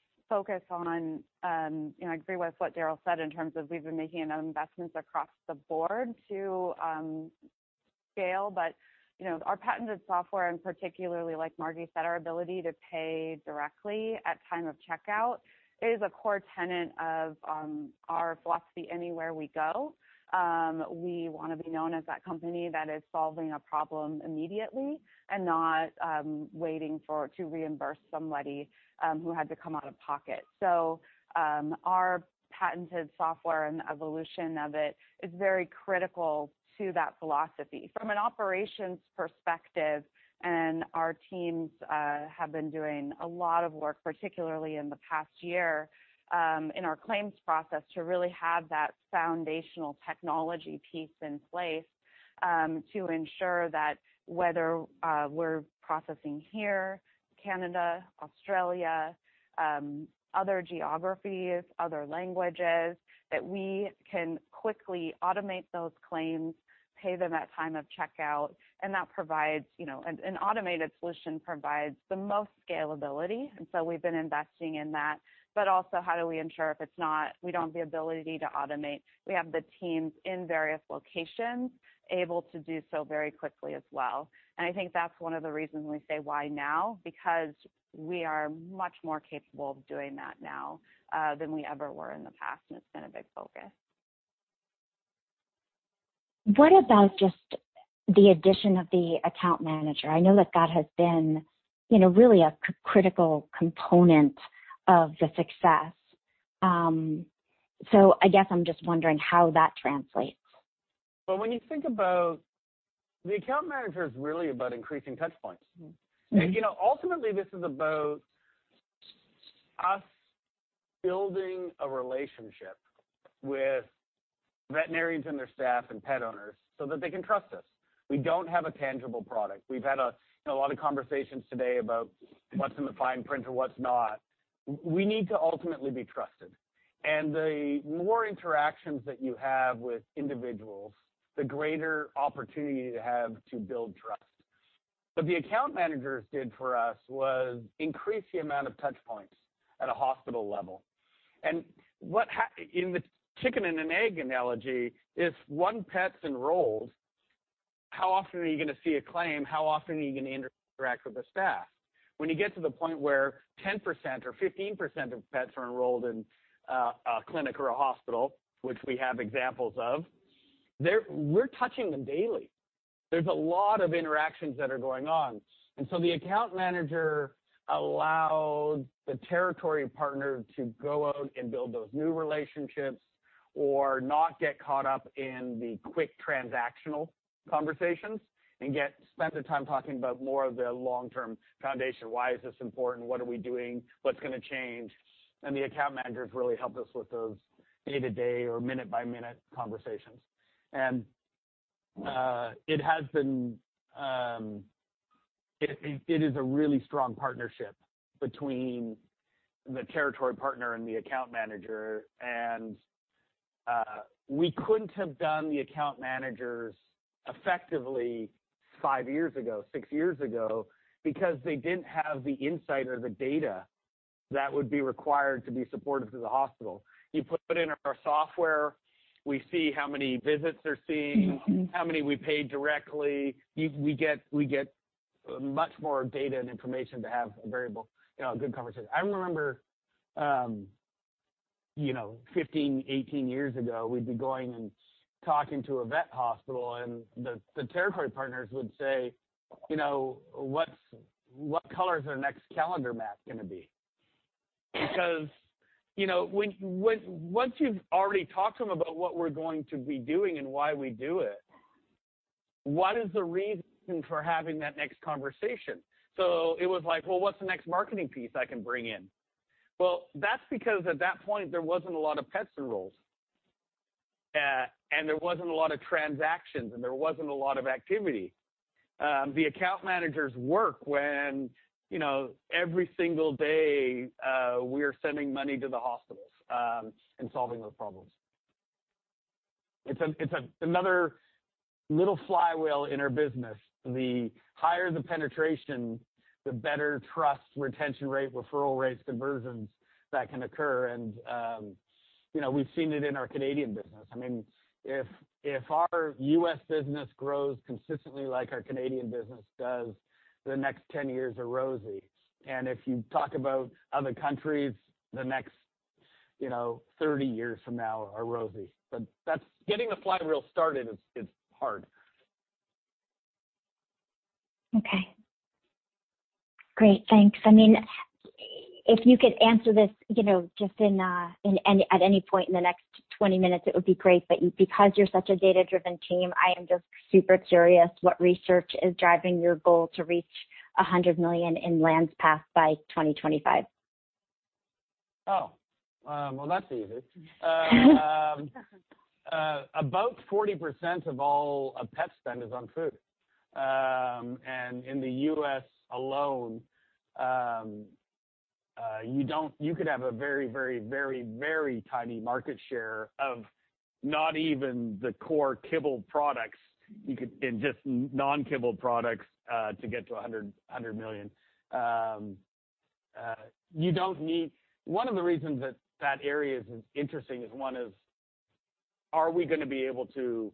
E: on, I agree with what Darryl said in terms of we've been making investments across the board to scale. Our patented software, and particularly like Margi said, our ability to pay directly at time of checkout is a core tenet of our philosophy anywhere we go. We want to be known as that company that is solving a problem immediately and not waiting to reimburse somebody who had to come out of pocket. Our patented software and the evolution of it is very critical to that philosophy. From an operations perspective, and our teams have been doing a lot of work, particularly in the past year, in our claims process to really have that foundational technology piece in place to ensure that whether we're processing here, Canada, Australia, other geographies, other languages, that we can quickly automate those claims, pay them at time of checkout. An automated solution provides the most scalability. We've been investing in that. Also how do we ensure if it's not, we don't have the ability to automate, we have the teams in various locations able to do so very quickly as well. I think that's one of the reasons we say why now, because we are much more capable of doing that now than we ever were in the past, and it's been a big focus.
P: What about just the addition of the account manager? I know that has been really a critical component of the success. I guess I'm just wondering how that translates.
B: Well, when you think about the account manager, it's really about increasing touch points. Ultimately, this is about us building a relationship with veterinarians and their staff and pet owners so that they can trust us. We don't have a tangible product. We've had a lot of conversations today about what's in the fine print or what's not. We need to ultimately be trusted. The more interactions that you have with individuals, the greater opportunity you have to build trust. What the account managers did for us was increase the amount of touch points at a hospital level. In the chicken and an egg analogy, if one pet's enrolled, how often are you going to see a claim? How often are you going to interact with the staff? When you get to the point where 10% or 15% of pets are enrolled in a clinic or a hospital, which we have examples of, we're touching them daily. There's a lot of interactions that are going on. The account manager allows the territory partner to go out and build those new relationships or not get caught up in the quick transactional conversations and get to spend the time talking about more of the long-term foundation. Why is this important? What are we doing? What's going to change? The account managers really help us with those day-to-day or minute-by-minute conversations. It is a really strong partnership between the territory partner and the account manager. We couldn't have done the account managers effectively five years ago, six years ago, because they didn't have the insight or the data that would be required to be supportive to the hospital. You put in our software, we see how many visits they're seeing. How many we paid directly. We get much more data and information to have a variable, a good conversation. I remember, 15, 18 years ago, we'd be going and talking to a vet hospital, and the territory partners would say, "What color is our next calendar map going to be?" Once you've already talked to them about what we're going to be doing and why we do it, what is the reason for having that next conversation? It was like, "Well, what's the next marketing piece I can bring in?" That's because at that point, there wasn't a lot of pet enrolls, and there wasn't a lot of transactions, and there wasn't a lot of activity. The account managers work when every single day, we are sending money to the hospitals and solving those problems. It's another little flywheel in our business. The higher the penetration, the better trust, retention rate, referral rates, conversions that can occur. We've seen it in our Canadian business. If our U.S. business grows consistently like our Canadian business does, the next 10 years are rosy. If you talk about other countries, the next 30 years from now are rosy. Getting the flywheel started is hard.
P: Okay. Great. Thanks. If you could answer this just at any point in the next 20 minutes, it would be great. Because you're such a data-driven team, I am just super curious what research is driving your goal to reach $100 million in lands passed by 2025?
B: Well, that's easy. About 40% of all pet spend is on food. In the U.S. alone, you could have a very tiny market share of not even the core kibble products, in just non-kibble products, to get to $100 million. One of the reasons that that area is interesting, are we going to be able to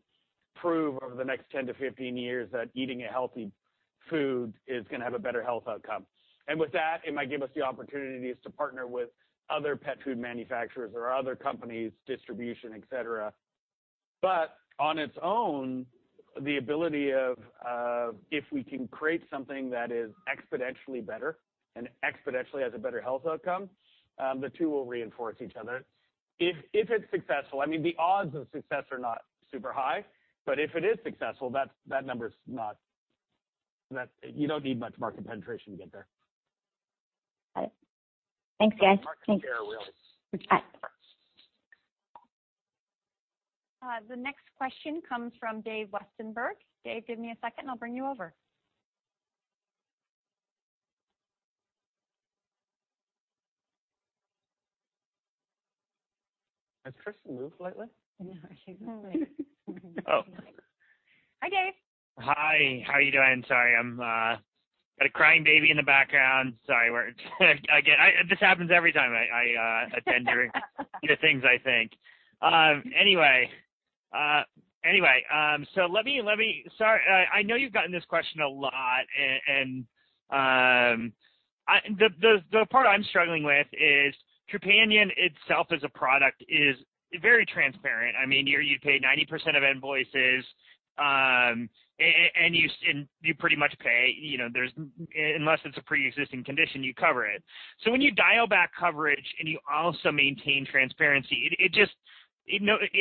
B: prove over the next 10-15 years that eating a healthy food is going to have a better health outcome? With that, it might give us the opportunities to partner with other pet food manufacturers or other companies, distribution, et cetera. On its own, the ability of if we can create something that is exponentially better and exponentially has a better health outcome, the two will reinforce each other. If it's successful, the odds of success are not super high, but if it is successful, you don't need much market penetration to get there.
P: Got it. Thanks, guys.
B: Market share, really.
P: Bye.
A: The next question comes from David Westenberg. Dave, give me a second, and I'll bring you over.
B: Has Kristen moved lately?
P: No, she's not leaving.
B: Oh.
A: Hi, Dave.
Q: Hi. How are you doing? Sorry, I've got a crying baby in the background. Sorry. This happens every time I attend your things, I think. I know you've gotten this question a lot. The part I'm struggling with is Trupanion itself as a product is very transparent. You pay 90% of invoices, you pretty much pay, unless it's a pre-existing condition, you cover it. When you dial back coverage and you also maintain transparency,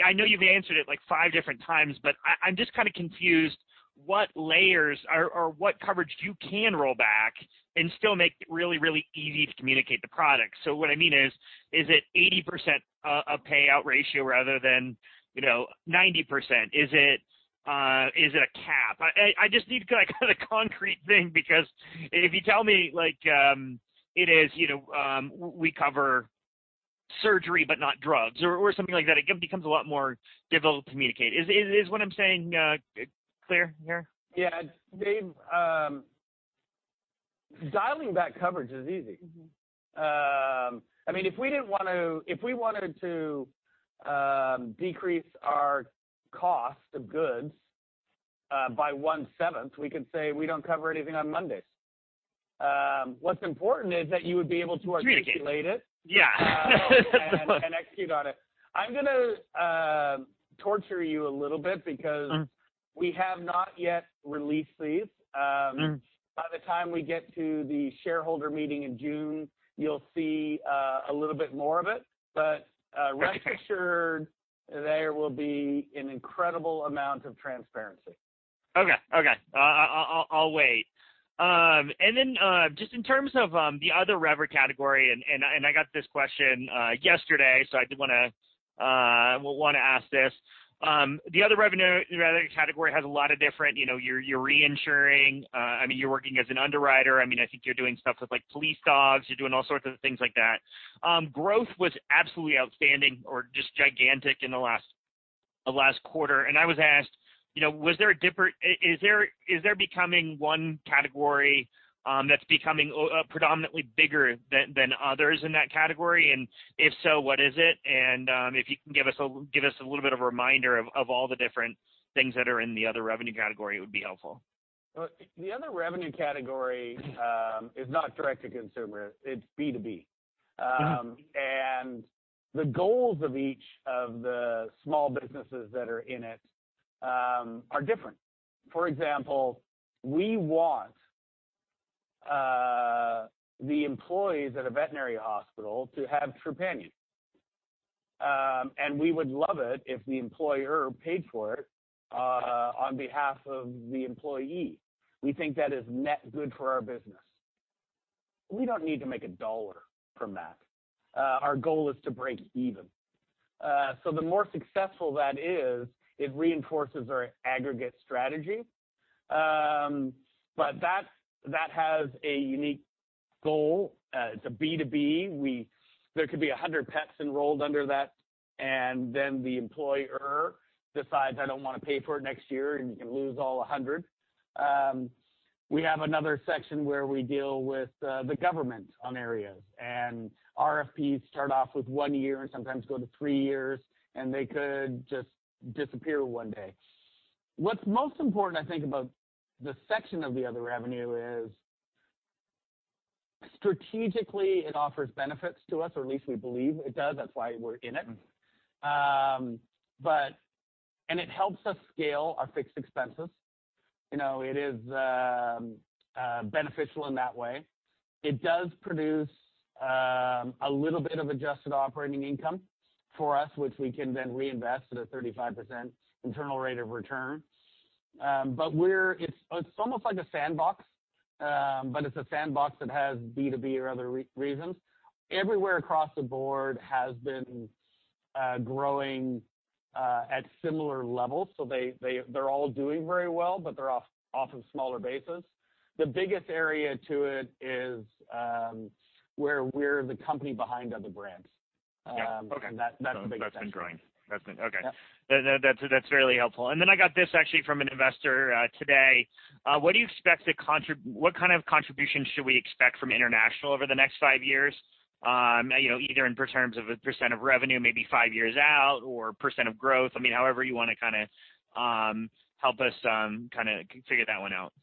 Q: I know you've answered it five different times, I'm just kind of confused what layers or what coverage you can roll back and still make it really easy to communicate the product. What I mean is it 80% a payout ratio rather than 90%? Is it a cap? I just need a concrete thing because if you tell me, we cover surgery but not drugs or something like that, it becomes a lot more difficult to communicate. Is what I'm saying clear here?
B: Yeah. Dave, dialing back coverage is easy. If we wanted to decrease our cost of goods by one-seventh, we could say we don't cover anything on Mondays. What's important is that you would be able to articulate it.
Q: Communicate. Yeah.
B: Execute on it. I'm going to torture you a little bit because we have not yet released these. By the time we get to the shareholder meeting in June, you'll see a little bit more of it. Rest assured, there will be an incredible amount of transparency.
Q: Okay. I'll wait. Just in terms of the other rev category, and I got this question yesterday, so I did want to ask this. The other revenue category has a lot of different, you're reinsuring, you're working as an underwriter. I think you're doing stuff with police dogs. You're doing all sorts of things like that. Growth was absolutely outstanding or just gigantic in the last quarter, and I was asked, is there becoming one category that's becoming predominantly bigger than others in that category? If so, what is it? If you can give us a little bit of a reminder of all the different things that are in the other revenue category, it would be helpful.
B: The other revenue category is not direct to consumer. It's B2B. The goals of each of the small businesses that are in it are different. For example, we want the employees at a veterinary hospital to have Trupanion. We would love it if the employer paid for it on behalf of the employee. We think that is net good for our business. We don't need to make $1 from that. Our goal is to break even. The more successful that is, it reinforces our aggregate strategy. That has a unique goal. It's a B2B. There could be 100 pets enrolled under that, and then the employer decides, "I don't want to pay for it next year," and you can lose all 100. We have another section where we deal with the government on areas, and RFPs start off with one year and sometimes go to three years, and they could just disappear one day. What's most important, I think, about the section of the other revenue is strategically, it offers benefits to us, or at least we believe it does. That's why we're in it. It helps us scale our fixed expenses. It is beneficial in that way. It does produce a little bit of adjusted operating income for us, which we can then reinvest at a 35% internal rate of return. It's almost like a sandbox, but it's a sandbox that has B2B or other reasons. Everywhere across the board has been growing at similar levels. They're all doing very well, but they're off of smaller bases. The biggest area to it is where we're the company behind other brands.
Q: Yeah. Okay.
B: That's the biggest one.
Q: That's been growing. Okay.
B: Yeah.
Q: That is really helpful. I got this actually from an investor today. What kind of contribution should we expect from international over the next five years? Either in terms of a percent of revenue, maybe five years out, or percent of growth, however you want to help us figure that one out.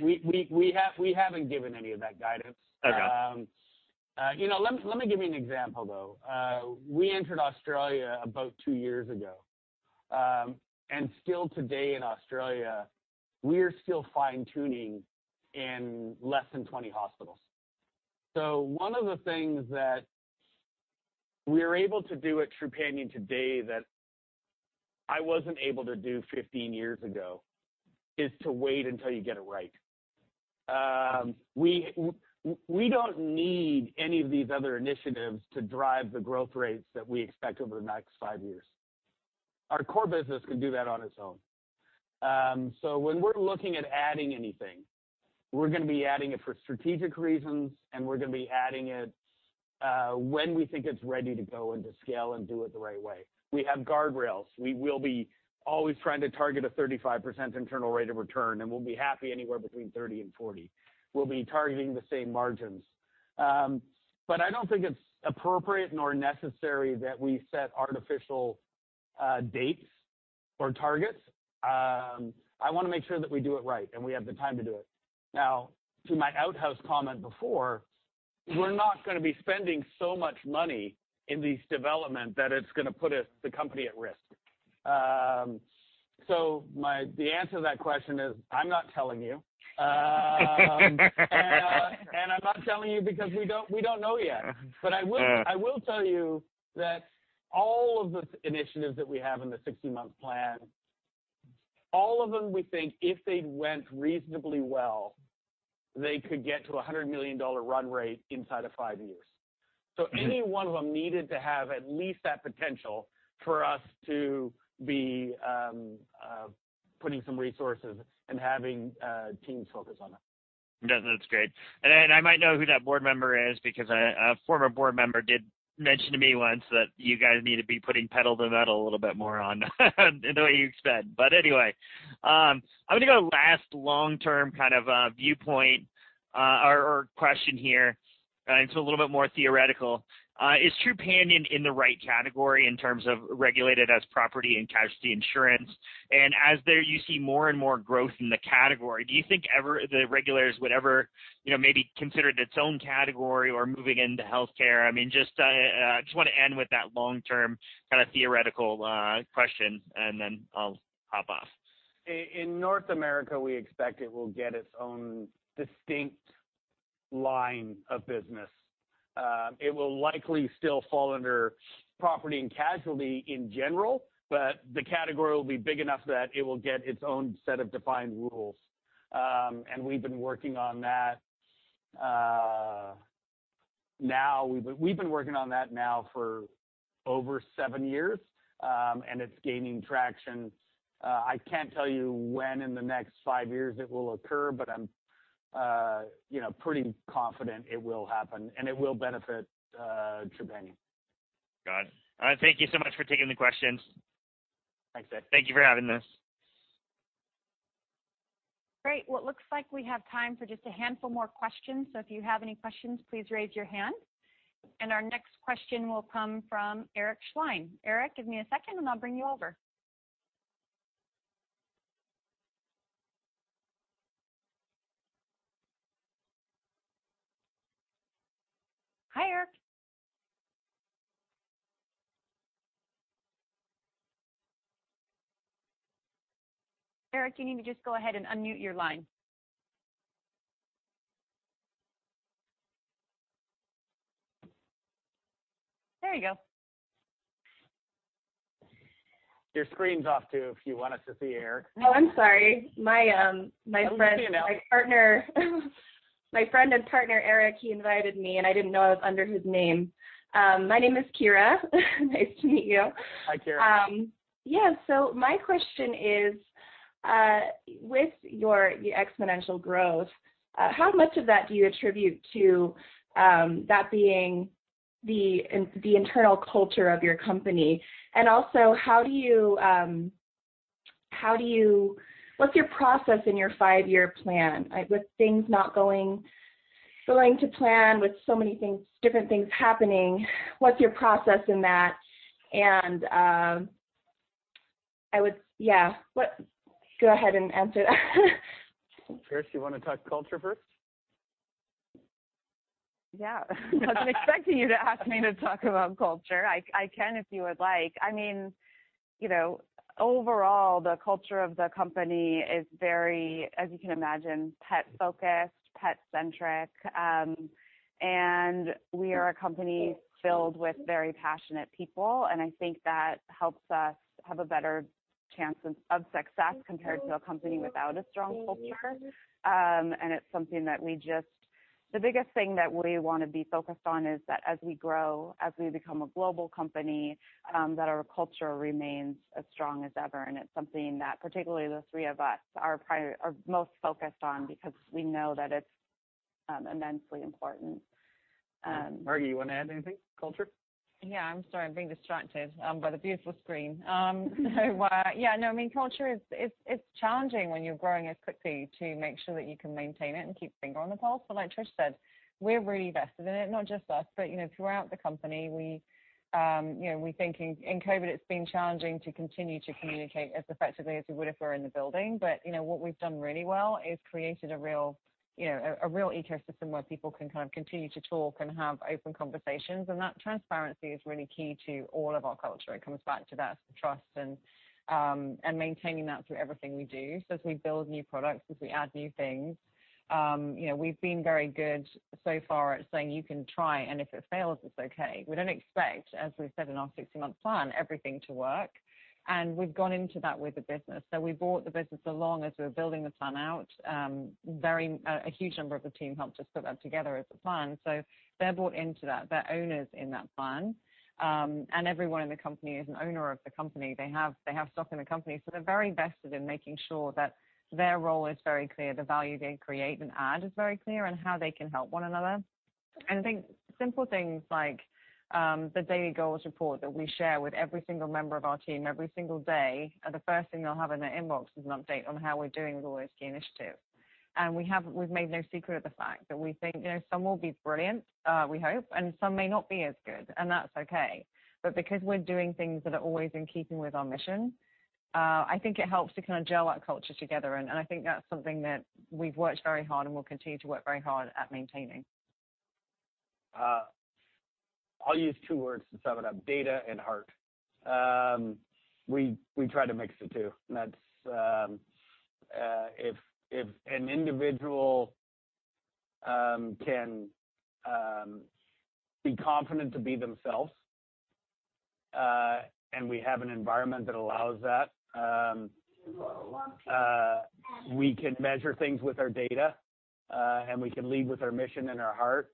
B: We haven't given any of that guidance.
Q: Okay.
B: Let me give you an example, though. We entered Australia about two years ago. Still today in Australia, we are still fine-tuning in less than 20 hospitals. One of the things that we are able to do at Trupanion today that I wasn't able to do 15 years ago is to wait until you get it right. We don't need any of these other initiatives to drive the growth rates that we expect over the next five years. Our core business can do that on its own. When we're looking at adding anything, we're going to be adding it for strategic reasons, and we're going to be adding it when we think it's ready to go into scale and do it the right way. We have guardrails. We will be always trying to target a 35% IRR, and we'll be happy anywhere between 30% and 40%. We'll be targeting the same margins. I don't think it's appropriate nor necessary that we set artificial dates or targets. I want to make sure that we do it right and we have the time to do it. To my outhouse comment before, we're not going to be spending so much money in this development that it's going to put the company at risk. The answer to that question is I'm not telling you. I'm not telling you because we don't know yet. I will tell you that all of the initiatives that we have in the 16-month plan, all of them we think if they'd went reasonably well, they could get to a $100 million run rate inside of five years. Any one of them needed to have at least that potential for us to be putting some resources and having teams focus on that.
Q: I might know who that board member is because a former board member did mention to me once that you guys need to be putting pedal to the metal a little bit more on the way you spend. Anyway, I'm going to go last long-term kind of viewpoint or question here. It's a little bit more theoretical. Is Trupanion in the right category in terms of regulated as property and casualty insurance? As there you see more and more growth in the category, do you think the regulators would ever maybe consider its own category or moving into healthcare? I just want to end with that long-term kind of theoretical question, and then I'll hop off.
B: In North America, we expect it will get its own distinct line of business. It will likely still fall under property and casualty in general, but the category will be big enough that it will get its own set of defined rules. We've been working on that now for over seven years, and it's gaining traction. I can't tell you when in the next five years it will occur, but I'm pretty confident it will happen and it will benefit Trupanion.
Q: Got it. All right. Thank you so much for taking the questions. Thanks, Ed. Thank you for having this.
A: Great. Well, it looks like we have time for just a handful more questions. If you have any questions, please raise your hand. Our next question will come from Eric Schleien. Eric, give me a second and I'll bring you over. Hi, Eric. Eric, you need to just go ahead and unmute your line.
R: There you go.
B: Your screen's off too if you want us to see you, Eric.
R: Oh, I'm sorry.
B: That's okay.
R: My friend and partner, Eric, he invited me and I didn't know it was under his name. My name is Kira. Nice to meet you.
B: Hi, Kira.
R: My question is, with your exponential growth, how much of that do you attribute to that being the internal culture of your company? Also, what's your process in your five-year plan? With things not going to plan, with so many different things happening, what's your process in that? Go ahead and answer that.
B: Trish, do you want to talk culture first?
E: Yeah. I wasn't expecting you to ask me to talk about culture. I can if you would like. Overall, the culture of the company is very, as you can imagine, pet-focused, pet-centric. We are a company filled with very passionate people, and I think that helps us have a better chance of success compared to a company without a strong culture. The biggest thing that we want to be focused on is that as we grow, as we become a global company, that our culture remains as strong as ever. It's something that particularly the three of us are most focused on because we know that it's immensely important.
B: Margi, you want to add anything? Culture?
C: Yeah, I'm sorry. I'm being distracted by the beautiful screen. Yeah, no, culture, it's challenging when you're growing as quickly to make sure that you can maintain it and keep your finger on the pulse. Like Trish said, we're really invested in it. Not just us, but throughout the company. In COVID, it's been challenging to continue to communicate as effectively as we would if we were in the building. What we've done really well is created a real ecosystem where people can kind of continue to talk and have open conversations. That transparency is really key to all of our culture. It comes back to that trust and maintaining that through everything we do. As we build new products, as we add new things, we've been very good so far at saying you can try and if it fails, it's okay. We don't expect, as we've said in our 16-month plan, everything to work. We've gone into that with the business. We brought the business along as we were building the plan out. A huge number of the team helped us put that together as a plan. They're bought into that. They're owners in that plan. Everyone in the company is an owner of the company. They have stock in the company, so they're very vested in making sure that their role is very clear, the value they create and add is very clear, and how they can help one another. I think simple things like the daily goals report that we share with every single member of our team every single day, the first thing they'll have in their inbox is an update on how we're doing with all those key initiatives. We've made no secret of the fact that we think some will be brilliant, we hope, and some may not be as good, and that's okay. Because we're doing things that are always in keeping with our mission, I think it helps to kind of gel our culture together, and I think that's something that we've worked very hard and will continue to work very hard at maintaining.
B: I'll use two words to sum it up, data and heart. We try to mix the two, and if an individual can be confident to be themselves, and we have an environment that allows that, we can measure things with our data, and we can lead with our mission and our heart.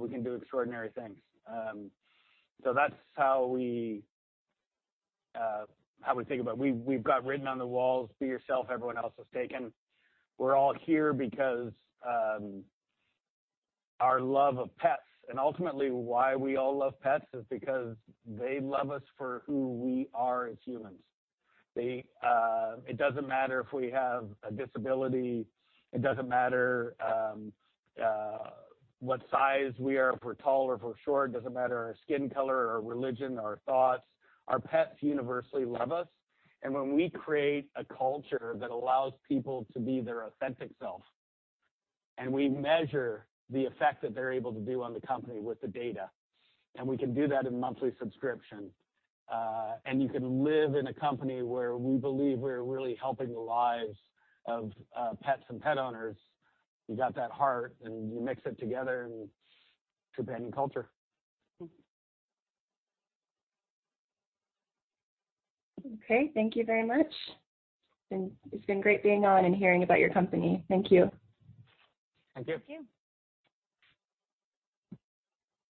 B: We can do extraordinary things. That's how we think about it. We've got written on the walls, "Be yourself, everyone else is taken." We're all here because our love of pets, and ultimately why we all love pets is because they love us for who we are as humans. It doesn't matter if we have a disability, it doesn't matter what size we are, if we're tall or if we're short, it doesn't matter our skin color or religion or our thoughts. Our pets universally love us, and when we create a culture that allows people to be their authentic self, and we measure the effect that they're able to do on the company with the data, and we can do that in monthly subscription, and you can live in a company where we believe we're really helping the lives of pets and pet owners, you got that heart, and you mix it together, and it's a Trupanion culture.
R: Okay. Thank you very much, and it's been great being on and hearing about your company. Thank you.
B: Thank you.
C: Thank you.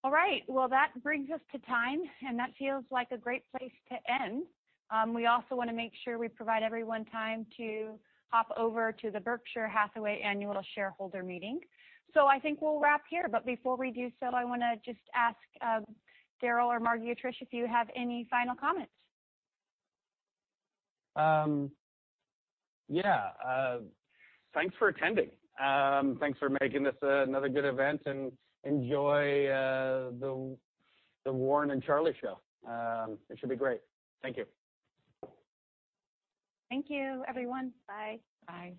A: All right. That brings us to time, and that feels like a great place to end. We also want to make sure we provide everyone time to hop over to the Berkshire Hathaway annual shareholder meeting. I think we'll wrap here, but before we do so, I want to just ask Darryl or Margi or Trish if you have any final comments.
B: Yeah. Thanks for attending. Thanks for making this another good event, and enjoy the Warren and Charlie show. It should be great. Thank you.
A: Thank you, everyone. Bye.
C: Bye.